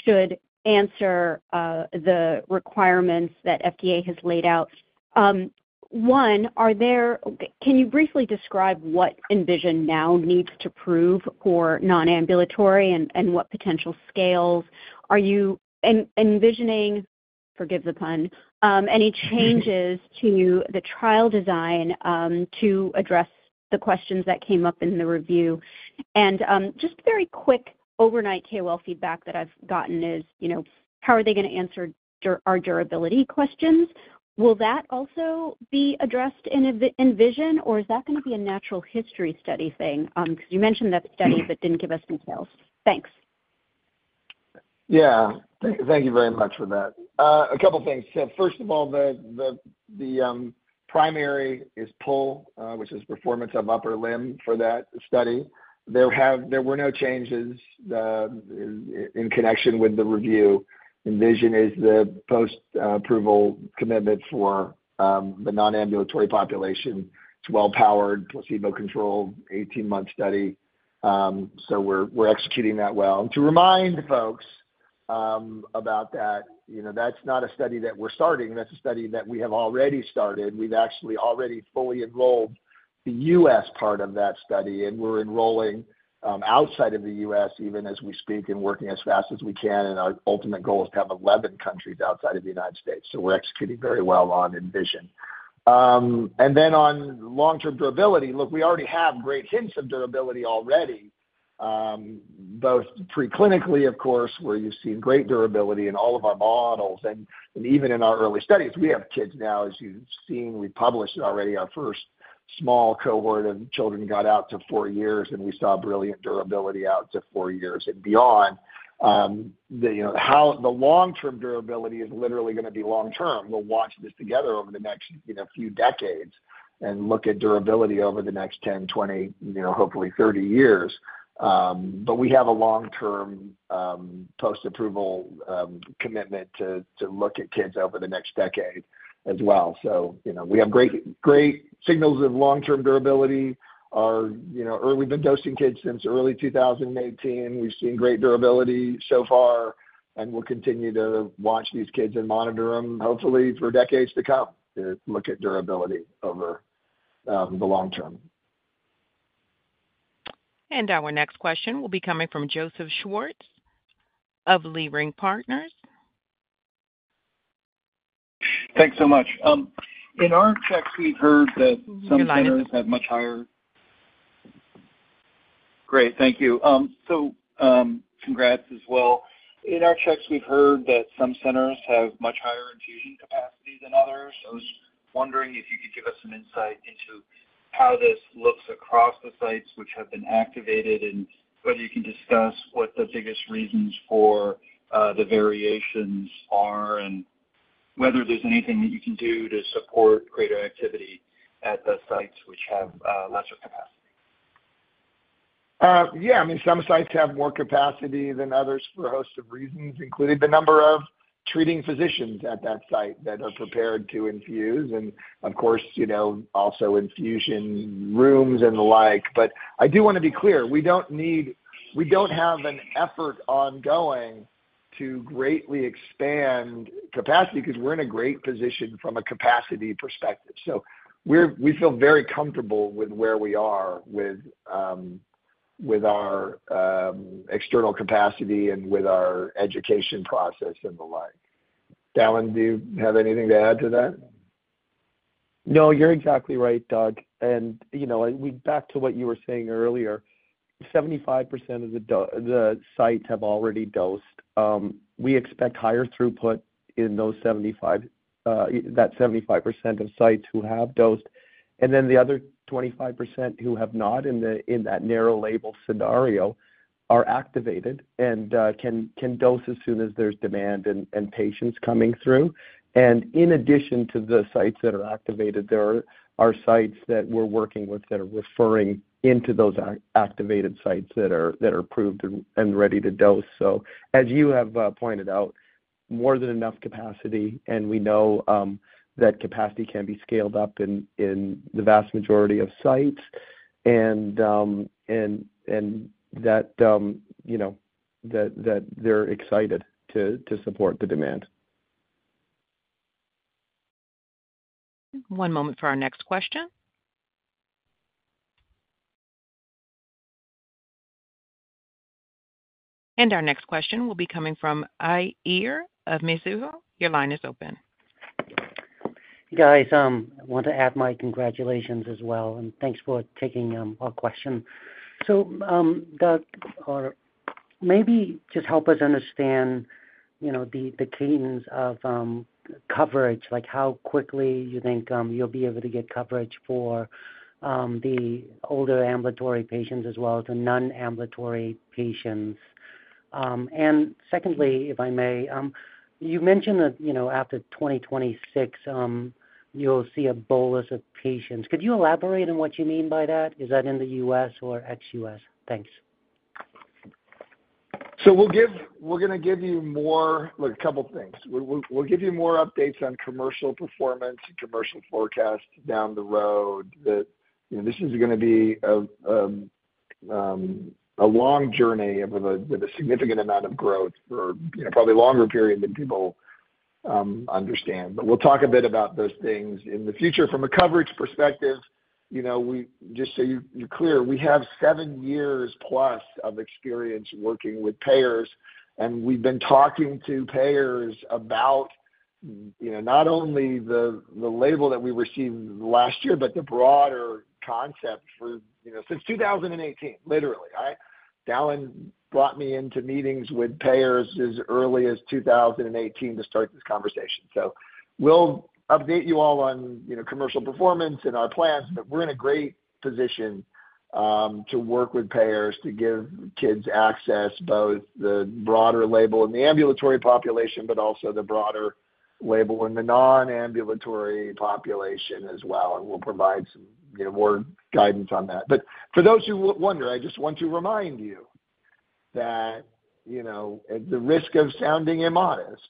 should answer the requirements that FDA has laid out. One, are there. Can you briefly describe what ENVISION now needs to prove for non-ambulatory and what potential scales are you envisioning, forgive the pun, any changes to the trial design to address the questions that came up in the review? And just very quick, overnight KOL feedback that I've gotten is, you know, how are they gonna answer our durability questions? Will that also be addressed in ENVISION, or is that gonna be a natural history study thing? Because you mentioned that study but didn't give us details. Thanks. Yeah. Thank you very much for that. A couple things. So first of all, the primary is PUL, which is performance of upper limb for that study. There were no changes in connection with the review. ENVISION is the post-approval commitment for the non-ambulatory population. It's a well-powered, placebo-controlled, 18-month study. So we're executing that well. To remind folks about that, you know, that's not a study that we're starting, that's a study that we have already started. We've actually already fully enrolled the U.S. part of that study, and we're enrolling outside of the U.S. even as we speak, and working as fast as we can, and our ultimate goal is to have 11 countries outside of the United States. So we're executing very well on ENVISION. And then on long-term durability, look, we already have great hints of durability already, both pre-clinically, of course, where you've seen great durability in all of our models and, and even in our early studies. We have kids now, as you've seen, we published already our first small cohort of children, got out to four years, and we saw brilliant durability out to four years and beyond. The, you know, how the long-term durability is literally gonna be long term. We'll watch this together over the next, you know, few decades and look at durability over the next 10, 20, you know, hopefully 30 years. But we have a long-term, post-approval, commitment to, to look at kids over the next decade as well. So, you know, we have great, great signals of long-term durability. We've been dosing kids since early 2018. We've seen great durability so far, and we'll continue to watch these kids and monitor them, hopefully for decades to come, to look at durability over the long term. Our next question will be coming from Joseph Schwartz of Leerink Partners. Thanks so much. In our checks, we've heard that some centers have much higher. Great. Thank you. So, congrats as well. In our checks, we've heard that some centers have much higher infusion capacity than others. I was wondering if you could give us some insight into how this looks across the sites which have been activated, and whether you can discuss what the biggest reasons for, the variations are, and whether there's anything that you can do to support greater activity at the sites which have, lesser capacity. Yeah, I mean, some sites have more capacity than others for a host of reasons, including the number of treating physicians at that site that are prepared to infuse and, of course, you know, also infusion rooms and the like. But I do wanna be clear, we don't need, we don't have an effort ongoing to greatly expand capacity, 'cause we're in a great position from a capacity perspective. So we feel very comfortable with where we are with our external capacity and with our education process and the like. Dallan, do you have anything to add to that? No, you're exactly right, Doug. You know, back to what you were saying earlier, 75% of the sites have already dosed. We expect higher throughput in those 75% of sites who have dosed, and then the other 25% who have not in that narrow label scenario are activated and can dose as soon as there's demand and patients coming through. In addition to the sites that are activated, there are sites that we're working with that are referring into those activated sites that are approved and ready to dose. So as you have pointed out, more than enough capacity, and we know that capacity can be scaled up in the vast majority of sites, and that you know that they're excited to support the demand. One moment for our next question. Our next question will be coming from Uy Ear of Mizuho. Your line is open. Guys, I want to add my congratulations as well, and thanks for taking our question. So, Doug, or maybe just help us understand, you know, the cadence of coverage, like how quickly you think you'll be able to get coverage for the older ambulatory patients as well as the non-ambulatory patients. And secondly, if I may, you mentioned that, you know, after 2026, you'll see a bolus of patients. Could you elaborate on what you mean by that? Is that in the U.S. or ex-U.S.? Thanks. So we're gonna give you more. Look, a couple things. We'll give you more updates on commercial performance and commercial forecasts down the road. You know, this is gonna be a long journey with a significant amount of growth for, you know, probably a longer period than people understand. But we'll talk a bit about those things in the future. From a coverage perspective, you know, just so you're clear, we have 7+ years of experience working with payers, and we've been talking to payers about, you know, not only the label that we received last year, but the broader concept for, you know, since 2018, literally, all right? Dallan brought me into meetings with payers as early as 2018 to start this conversation. So we'll update you all on, you know, commercial performance and our plans, but we're in a great position to work with payers to give kids access, both the broader label and the ambulatory population, but also the broader label in the non-ambulatory population as well, and we'll provide some, you know, more guidance on that. But for those who wonder, I just want to remind you that, you know, at the risk of sounding immodest,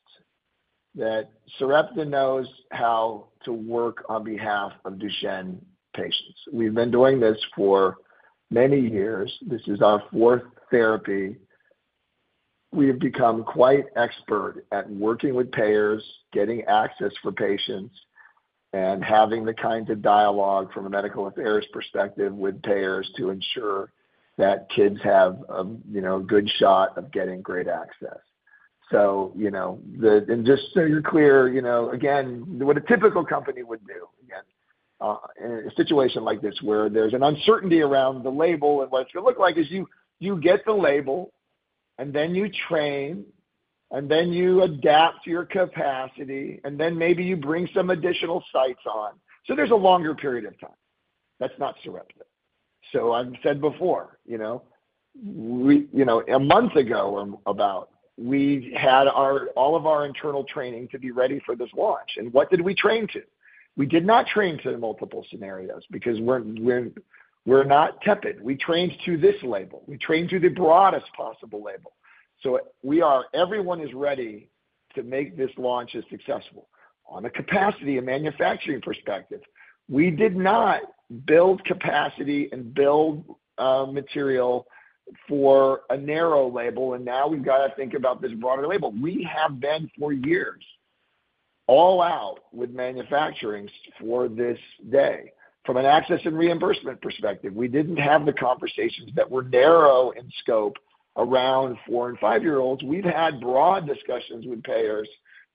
that Sarepta knows how to work on behalf of Duchenne patients. We've been doing this for many years. This is our fourth therapy. We have become quite expert at working with payers, getting access for patients, and having the kinds of dialogue from a medical affairs perspective with payers to ensure that kids have a, you know, good shot of getting great access. So, you know, and just so you're clear, you know, again, what a typical company would do, again, in a situation like this, where there's an uncertainty around the label and what it's gonna look like, is you get the label, and then you train, and then you adapt your capacity, and then maybe you bring some additional sites on. So there's a longer period of time. That's not Sarepta. So I've said before, you know, we, you know, a month ago, we've had all of our internal training to be ready for this launch. And what did we train to? We did not train to the multiple scenarios because we're not tepid. We trained to this label. We trained to the broadest possible label. So we are. Everyone is ready to make this launch as successful. On a capacity and manufacturing perspective, we did not build capacity and build material for a narrow label, and now we've got to think about this broader label. We have been, for years, all out with manufacturing for this day. From an access and reimbursement perspective, we didn't have the conversations that were narrow in scope around four and five year olds. We've had broad discussions with payers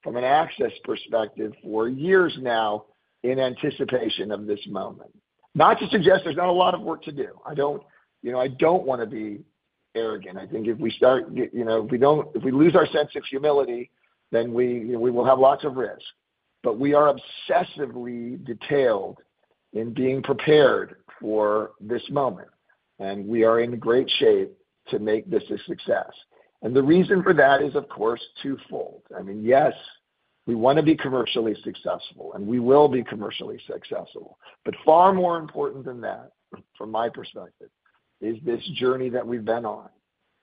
from an access perspective for years now in anticipation of this moment. Not to suggest there's not a lot of work to do. I don't, you know, I don't wanna be arrogant. I think if we don't. If we lose our sense of humility, then we, you know, we will have lots of risk. But we are obsessively detailed in being prepared for this moment, and we are in great shape to make this a success. The reason for that is, of course, twofold. I mean, yes, we wanna be commercially successful, and we will be commercially successful. But far more important than that, from my perspective, is this journey that we've been on.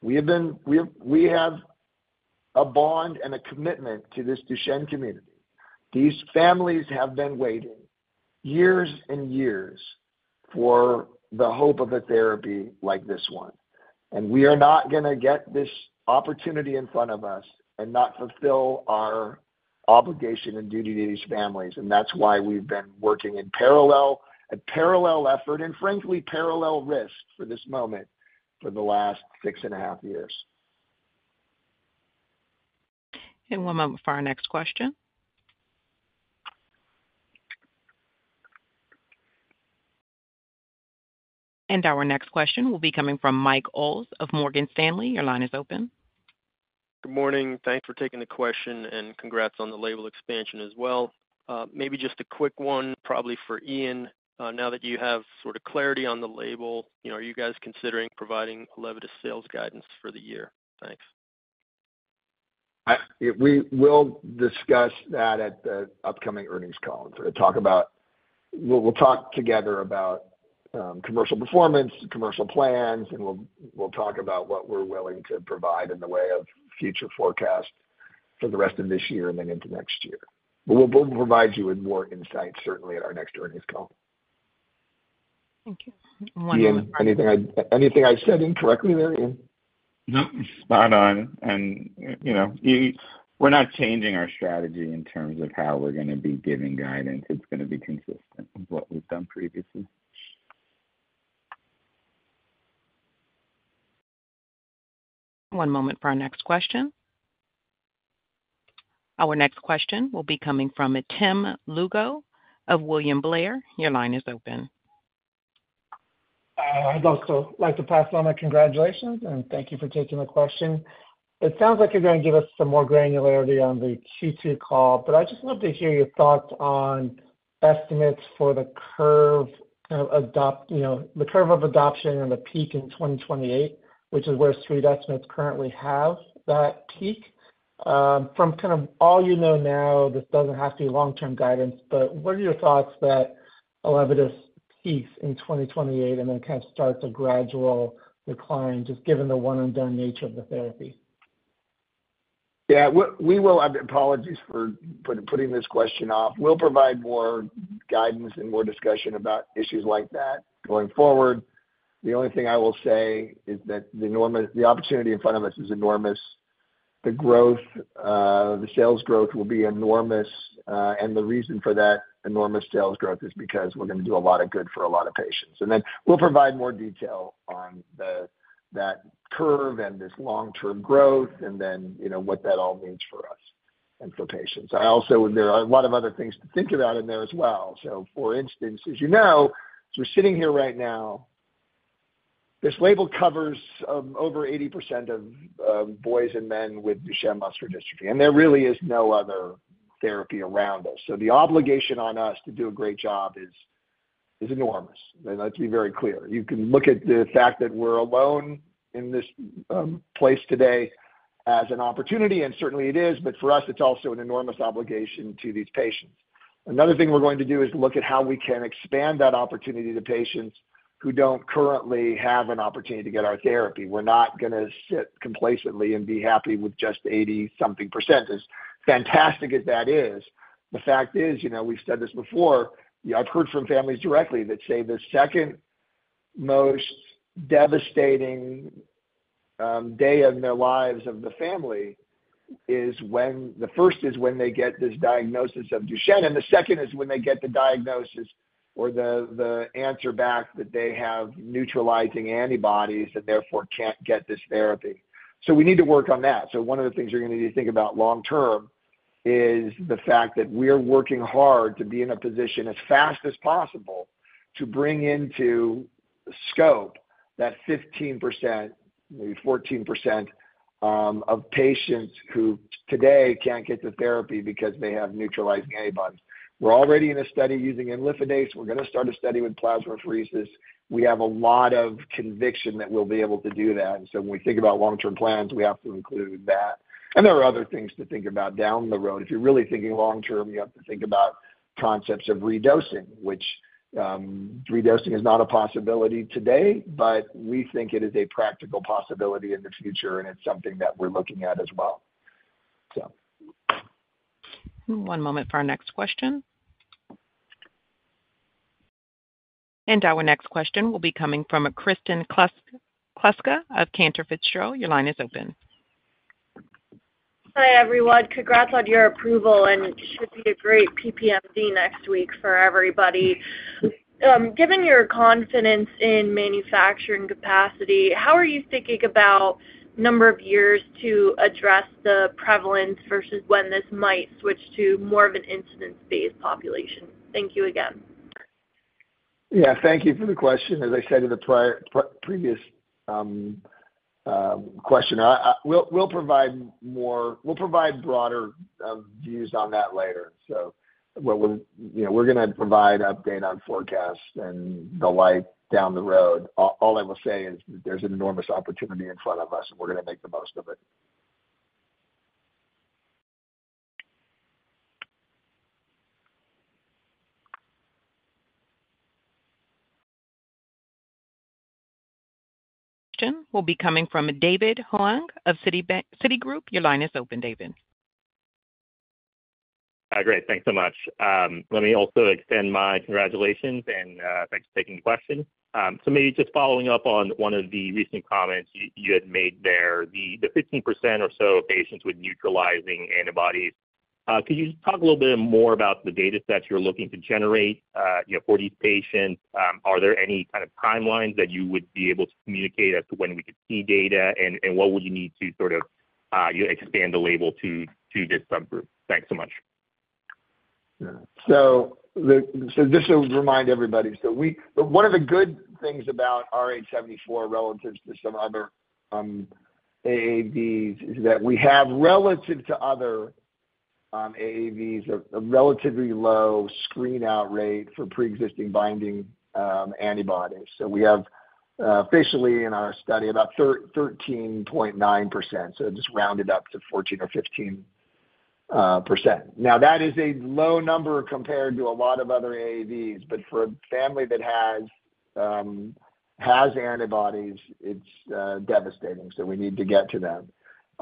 We have a bond and a commitment to this Duchenne community. These families have been waiting years and years for the hope of a therapy like this one. And we are not gonna get this opportunity in front of us and not fulfill our obligation and duty to these families, and that's why we've been working in parallel, a parallel effort and frankly, parallel risk for this moment for the last 6.5 years. One moment for our next question. Our next question will be coming from Mike Olds of Morgan Stanley. Your line is open. Good morning. Thanks for taking the question, and congrats on the label expansion as well. Maybe just a quick one, probably for Ian. Now that you have sort of clarity on the label, you know, are you guys considering providing ELEVIDYS sales guidance for the year? Thanks. We will discuss that at the upcoming earnings call. We'll talk together about commercial performance, commercial plans, and we'll talk about what we're willing to provide in the way of future forecast for the rest of this year and then into next year. But we'll provide you with more insight, certainly, at our next Earnings Call. Thank you. One moment- Ian, anything I said incorrectly there, Ian? No, spot on. And, you know, we're not changing our strategy in terms of how we're gonna be giving guidance. It's gonna be consistent with what we've done previously. One moment for our next question. Our next question will be coming from Tim Lugo of William Blair. Your line is open. I'd also like to pass along my congratulations, and thank you for taking the question. It sounds like you're gonna give us some more granularity on the Q2 call, but I'd just love to hear your thoughts on estimates for the curve of adoption and the peak in 2028, which is where street estimates currently have that peak. From kind of all you know now, this doesn't have to be long-term guidance, but what are your thoughts that ELEVIDYS peaks in 2028 and then kind of starts a gradual decline, just given the one-and-done nature of the therapy? Yeah, we will. Apologies for putting this question off. We'll provide more guidance and more discussion about issues like that going forward. The only thing I will say is that the enormous opportunity in front of us is enormous. The growth, the sales growth will be enormous, and the reason for that enormous sales growth is because we're gonna do a lot of good for a lot of patients. And then we'll provide more detail on that curve and this long-term growth and then, you know, what that all means for us and for patients. I also, there are a lot of other things to think about in there as well. For instance, as you know, as we're sitting here right now, this label covers over 80% of boys and men with Duchenne muscular dystrophy, and there really is no other therapy around us. The obligation on us to do a great job is, is enormous. Let's be very clear, you can look at the fact that we're alone in this place today as an opportunity, and certainly it is, but for us, it's also an enormous obligation to these patients. Another thing we're going to do is look at how we can expand that opportunity to patients who don't currently have an opportunity to get our therapy. We're not gonna sit complacently and be happy with just 80% something. As fantastic as that is, the fact is, you know, we've said this before, you know, I've heard from families directly that say the second most devastating day of their lives of the family is when, the first is when they get this diagnosis of Duchenne, and the second is when they get the diagnosis or the, the answer back that they have neutralizing antibodies and therefore can't get this therapy. So we need to work on that. So one of the things you're gonna need to think about long term is the fact that we are working hard to be in a position as fast as possible to bring into scope that 15%, maybe 14%, of patients who today can't get the therapy because they have neutralizing antibodies. We're already in a study using imlifidase. We're gonna start a study with plasmapheresis. We have a lot of conviction that we'll be able to do that. And so when we think about long-term plans, we have to include that. And there are other things to think about down the road. If you're really thinking long term, you have to think about concepts of redosing, which, redosing is not a possibility today, but we think it is a practical possibility in the future, and it's something that we're looking at as well. So. One moment for our next question. Our next question will be coming from Kristen Kluska of Cantor Fitzgerald. Your line is open. Hi, everyone. Congrats on your approval, and it should be a great PPMD next week for everybody. Given your confidence in manufacturing capacity, how are you thinking about number of years to address the prevalence versus when this might switch to more of an incidence-based population? Thank you again. Yeah, thank you for the question. As I said in the previous question, we'll provide more, we'll provide broader views on that later. So what we'll, you know, we're gonna provide update on forecasts and the like down the road. All I will say is there's an enormous opportunity in front of us, and we're gonna make the most of it. Will be coming from David Hoang of Citigroup. Your line is open, David. Great. Thanks so much. Let me also extend my congratulations and thanks for taking the question. So maybe just following up on one of the recent comments you had made there, the 15% or so of patients with neutralizing antibodies. Could you just talk a little bit more about the data sets you're looking to generate, you know, for these patients? Are there any kind of timelines that you would be able to communicate as to when we could see data? And what would you need to sort of expand the label to this subgroup? Thanks so much. Yeah. So just to remind everybody, one of the good things about AAVrh74 relative to some other AAVs is that we have, relative to other AAVs, a relatively low screen-out rate for pre-existing binding antibodies. So we have officially in our study about 13.9%, so just rounded up to 14% or 15%. Now, that is a low number compared to a lot of other AAVs, but for a family that has antibodies, it's devastating, so we need to get to them.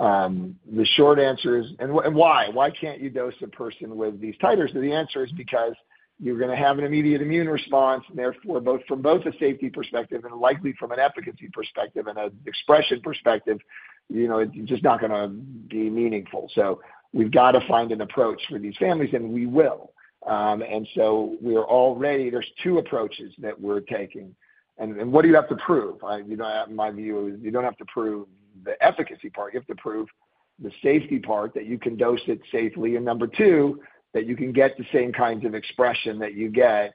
The short answer is. And why? Why can't you dose a person with these titers? So the answer is because you're gonna have an immediate immune response, and therefore, both, from both a safety perspective and likely from an efficacy perspective and a expression perspective, you know, it's just not gonna be meaningful. So we've got to find an approach for these families, and we will. And so we're already. There's two approaches that we're taking. And, and what do you have to prove? You know, in my view, you don't have to prove the efficacy part. You have to prove the safety part, that you can dose it safely, and number two, that you can get the same kinds of expression that you get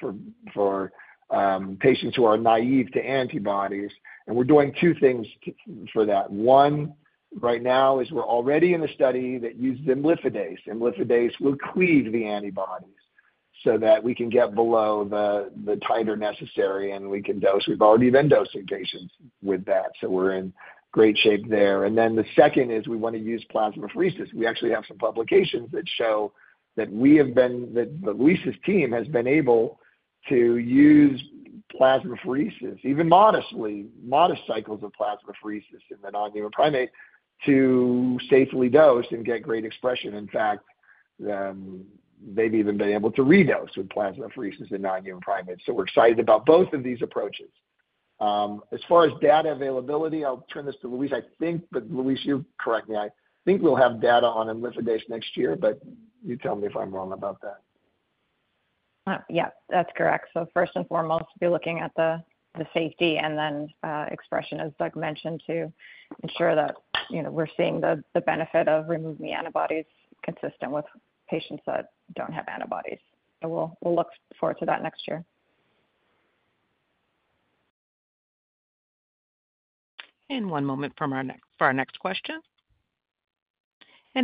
for patients who are naive to antibodies. And we're doing two things for that. One, right now, is we're already in a study that uses imlifidase. Imlifidase will cleave the antibodies so that we can get below the titer necessary, and we can dose. We've already been dosing patients with that, so we're in great shape there. And then the second is we wanna use plasmapheresis. We actually have some publications that show that Louise's team has been able to use plasmapheresis, even modest cycles of plasmapheresis in the non-human primate, to safely dose and get great expression. In fact, they've even been able to redose with plasmapheresis in non-human primates. So we're excited about both of these approaches. As far as data availability, I'll turn this to Louise, I think. But Louise, you correct me. I think we'll have data on imlifidase next year, but you tell me if I'm wrong about that. Yeah, that's correct. So first and foremost, we're looking at the safety and then expression, as Doug mentioned, to ensure that, you know, we're seeing the benefit of removing the antibodies consistent with patients that don't have antibodies. So we'll look forward to that next year. One moment for our next question.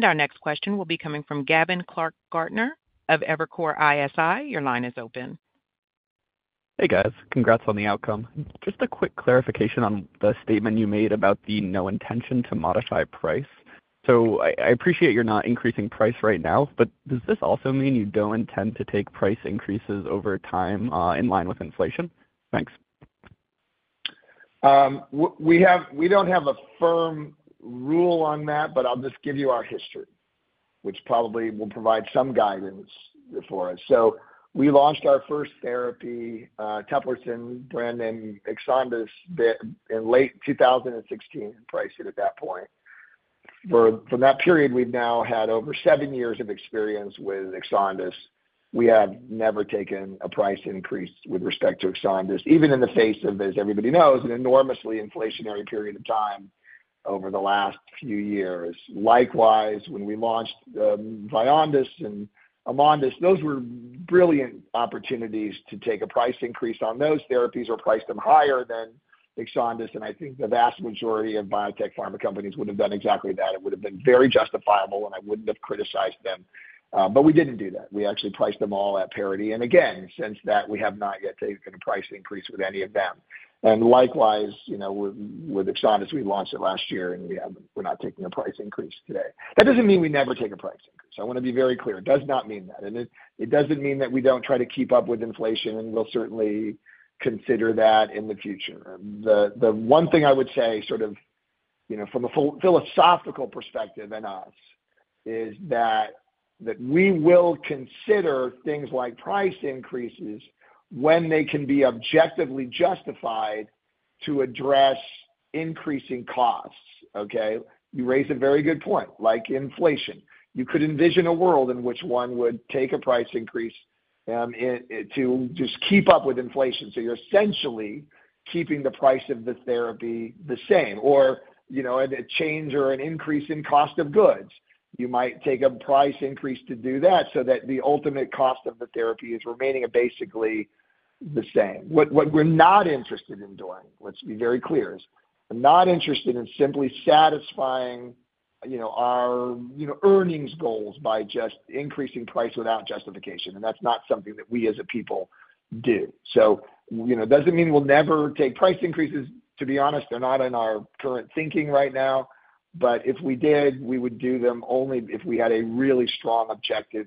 Our next question will be coming from Gavin Clark-Gartner of Evercore ISI. Your line is open. Hey, guys. Congrats on the outcome. Just a quick clarification on the statement you made about the no intention to modify price. So I, I appreciate you're not increasing price right now, but does this also mean you don't intend to take price increases over time, in line with inflation? Thanks. We have, we don't have a firm rule on that, but I'll just give you our history, which probably will provide some guidance for us. So we launched our first therapy, Eteplirsen, brand name EXONDYS 51, the, in late 2016, priced it at that point. From that period, we've now had over seven years of experience with EXONDYS 51. We have never taken a price increase with respect to EXONDYS 51, even in the face of, as everybody knows, an enormously inflationary period of time over the last few years. Likewise, when we launched, VYONDYS 53 and AMONDYS 45, those were brilliant opportunities to take a price increase on those therapies or price them higher than EXONDYS 51, and I think the vast majority of biotech pharma companies would have done exactly that. It would have been very justifiable, and I wouldn't have criticized them, but we didn't do that. We actually priced them all at parity. And again, since that, we have not yet taken a price increase with any of them. And likewise, you know, with, with EXONDYS, we launched it last year, and we have, we're not taking a price increase today. That doesn't mean we never take a price increase. I wanna be very clear, it does not mean that. And it doesn't mean that we don't try to keep up with inflation, and we'll certainly consider that in the future. The one thing I would say sort of, you know, from a philosophical perspective in us, is that we will consider things like price increases when they can be objectively justified to address increasing costs, okay? You raised a very good point, like inflation. You could envision a world in which one would take a price increase to just keep up with inflation. So you're essentially keeping the price of the therapy the same, or, you know, a change or an increase in cost of goods. You might take a price increase to do that so that the ultimate cost of the therapy is remaining basically the same. What we're not interested in doing, let's be very clear, is we're not interested in simply satisfying, you know, our, you know, earnings goals by just increasing price without justification, and that's not something that we as a people do. So, you know, it doesn't mean we'll never take price increases, to be honest, they're not in our current thinking right now. But if we did, we would do them only if we had a really strong objective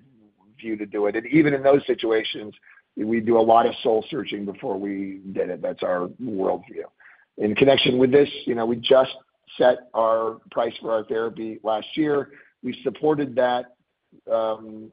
view to do it. And even in those situations, we'd do a lot of soul searching before we did it. That's our worldview. In connection with this, you know, we just set our price for our therapy last year. We supported that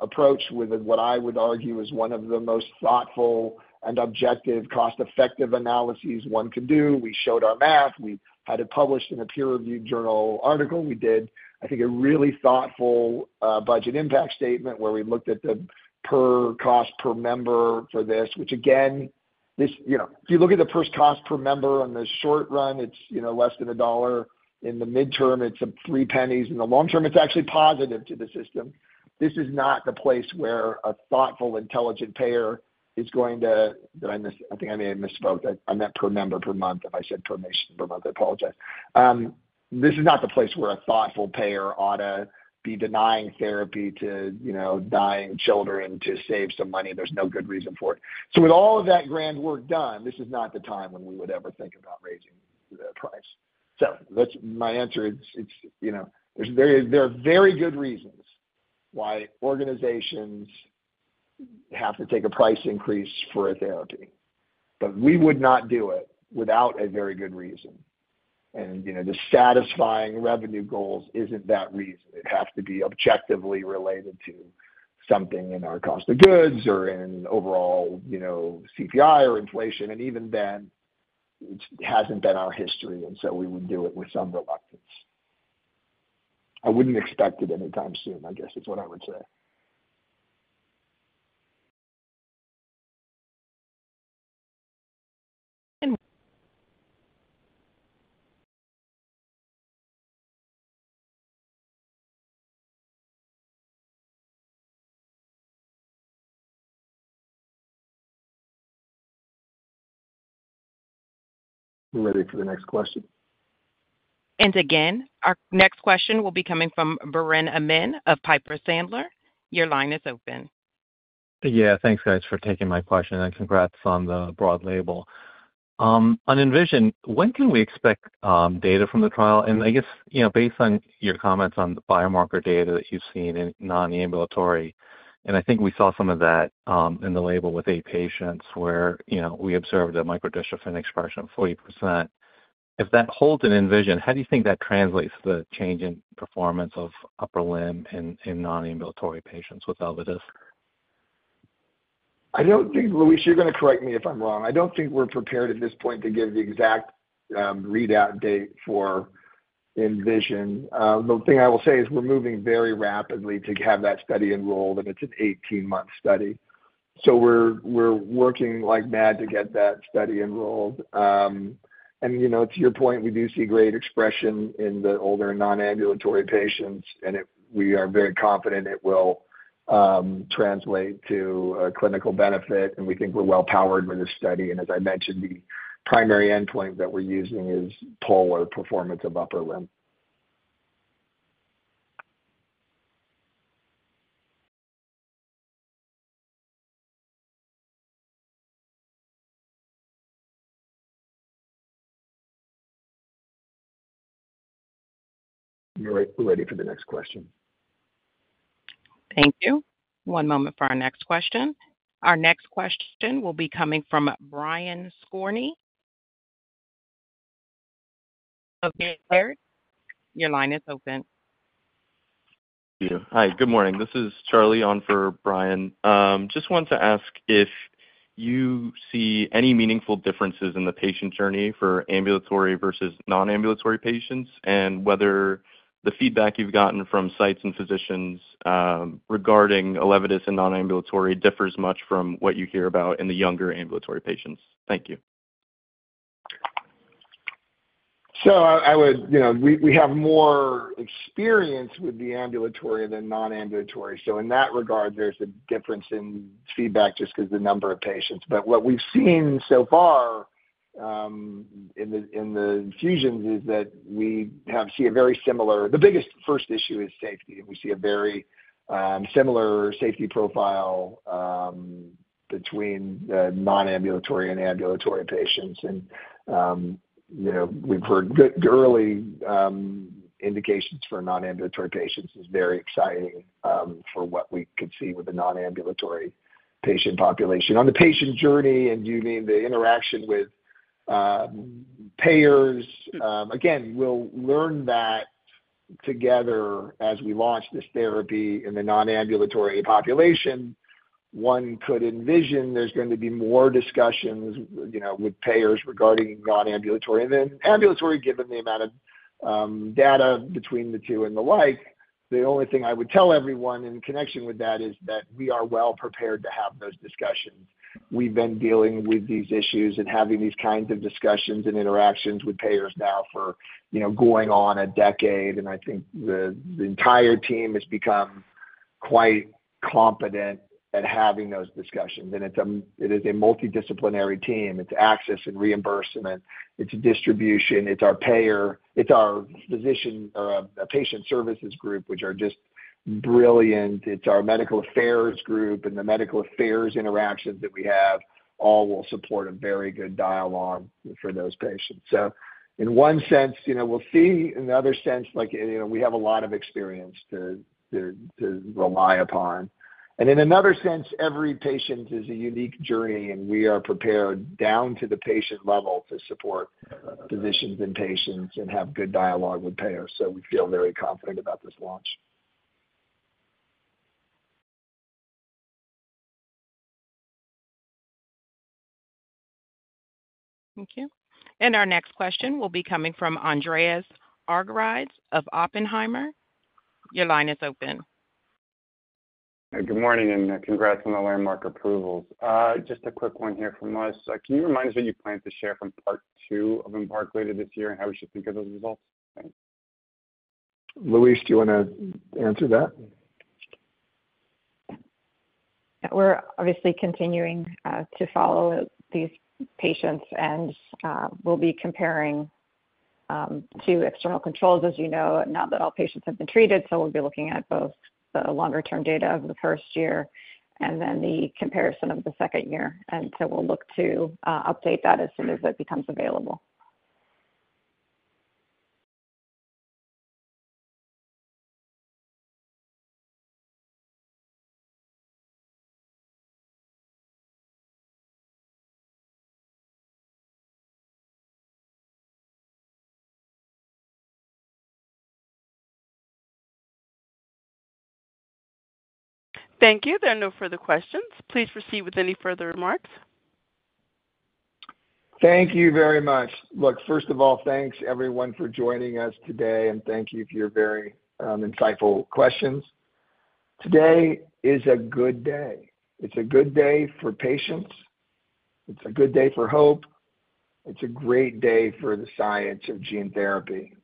approach with what I would argue is one of the most thoughtful and objective cost-effective analyses one could do. We showed our math. We had it published in a peer-reviewed journal article. We did, I think, a really thoughtful budget impact statement, where we looked at the per cost per member for this, which again, this. You know, if you look at the first cost per member on the short run, it's, you know, less than $1. In the midterm, it's $0.03. In the long term, it's actually positive to the system. This is not the place where a thoughtful, intelligent payer is going to. Did I miss? I think I may have misspoke. I meant per member per month. If I said per mission per month, I apologize. This is not the place where a thoughtful payer ought to be denying therapy to, you know, dying children to save some money. There's no good reason for it. So with all of that grand work done, this is not the time when we would ever think about raising the price. So that's my answer. It's, it's, you know, there's, there are very good reasons why organizations have to take a price increase for a therapy, but we would not do it without a very good reason. And, you know, just satisfying revenue goals isn't that reason. It has to be objectively related to something in our cost of goods or in overall, you know, CPI or inflation, and even then, it hasn't been our history, and so we would do it with some reluctance. I wouldn't expect it anytime soon, I guess is what I would say. Ready for the next question. Again, our next question will be coming from Biren Amin of Piper Sandler. Your line is open. Yeah, thanks, guys, for taking my question, and congrats on the broad label. On ENVISION, when can we expect data from the trial? And I guess, you know, based on your comments on the biomarker data that you've seen in non-ambulatory, and I think we saw some of that in the label with 8 patients where, you know, we observed a micro-dystrophin expression of 40%. If that holds in ENVISION, how do you think that translates to the change in performance of upper limb in non-ambulatory patients with ELEVIDYS? I don't think, Louise, you're gonna correct me if I'm wrong. I don't think we're prepared at this point to give the exact readout date for ENVISION. The thing I will say is we're moving very rapidly to have that study enrolled, and it's an 18-month study. So we're working like mad to get that study enrolled. And you know, to your point, we do see great expression in the older non-ambulatory patients, and it, we are very confident it will translate to a clinical benefit, and we think we're well-powered with this study. And as I mentioned, the primary endpoint that we're using is PUL or performance of upper limb. We're ready for the next question. Thank you. One moment for our next question. Our next question will be coming from Brian Skorney. Okay, your line is open. Thank you. Hi, good morning. This is Charlie on for Brian. Just wanted to ask if you see any meaningful differences in the patient journey for ambulatory versus non-ambulatory patients, and whether the feedback you've gotten from sites and physicians, regarding ELEVIDYS in non-ambulatory differs much from what you hear about in the younger ambulatory patients? Thank you. So I would. You know, we have more experience with the ambulatory than non-ambulatory. So in that regard, there's a difference in feedback just because the number of patients. But what we've seen so far in the infusions is that we have see a very similar. The biggest first issue is safety, and we see a very similar safety profile between the non-ambulatory and ambulatory patients. And you know, we've heard good, good early indications for non-ambulatory patients is very exciting for what we could see with the non-ambulatory patient population. On the patient journey, and do you mean the interaction with payers? Again, we'll learn that together as we launch this therapy in the non-ambulatory population. One could envision there's going to be more discussions, you know, with payers regarding non-ambulatory. And then ambulatory, given the amount of data between the two and the like, the only thing I would tell everyone in connection with that is that we are well prepared to have those discussions. We've been dealing with these issues and having these kinds of discussions and interactions with payers now for, you know, going on a decade, and I think the entire team has become quite competent at having those discussions. And it's a, it is a multidisciplinary team. It's access and reimbursement, it's distribution, it's our payer, it's our physician or a patient services group, which are just brilliant. It's our medical affairs group and the medical affairs interactions that we have all will support a very good dialogue for those patients. So in one sense, you know, we'll see, in another sense, like, you know, we have a lot of experience to rely upon. And in another sense, every patient is a unique journey, and we are prepared down to the patient level to support physicians and patients and have good dialogue with payers. So we feel very confident about this launch. Thank you. Our next question will be coming from Andreas Argyrides of Oppenheimer. Your line is open. Good morning, and congrats on the landmark approvals. Just a quick one here from us. Can you remind us what you plan to share from part two of EMBARK later this year and how we should think of those results? Thanks. Louise, do you want to answer that? We're obviously continuing to follow these patients and we'll be comparing to external controls, as you know, note that not all patients have been treated, so we'll be looking at both the longer-term data of the first year and then the comparison of the second year. And so we'll look to update that as soon as it becomes available. Thank you. There are no further questions. Please proceed with any further remarks. Thank you very much. Look, first of all, thanks everyone for joining us today, and thank you for your very insightful questions. Today is a good day. It's a good day for patients. It's a good day for hope. It's a great day for the science of gene therapy.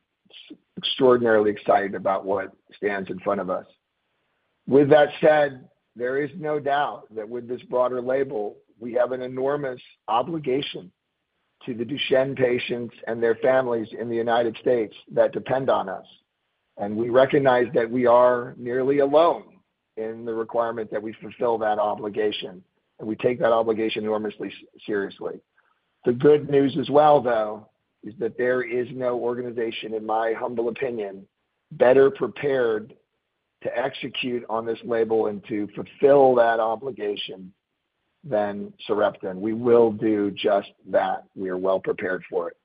Extraordinarily excited about what stands in front of us. With that said, there is no doubt that with this broader label, we have an enormous obligation to the Duchenne patients and their families in the United States that depend on us, and we recognize that we are nearly alone in the requirement that we fulfill that obligation, and we take that obligation enormously seriously. The good news as well, though, is that there is no organization, in my humble opinion, better prepared to execute on this label and to fulfill that obligation than Sarepta, and we will do just that. We are well prepared for it.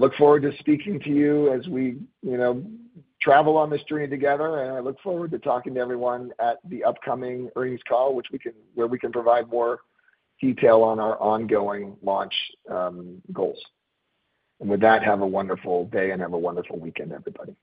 Look forward to speaking to you as we, you know, travel on this journey together, and I look forward to talking to everyone at the upcoming Earnings Call, which we can, where we can provide more detail on our ongoing launch goals. And with that, have a wonderful day, and have a wonderful weekend, everybody.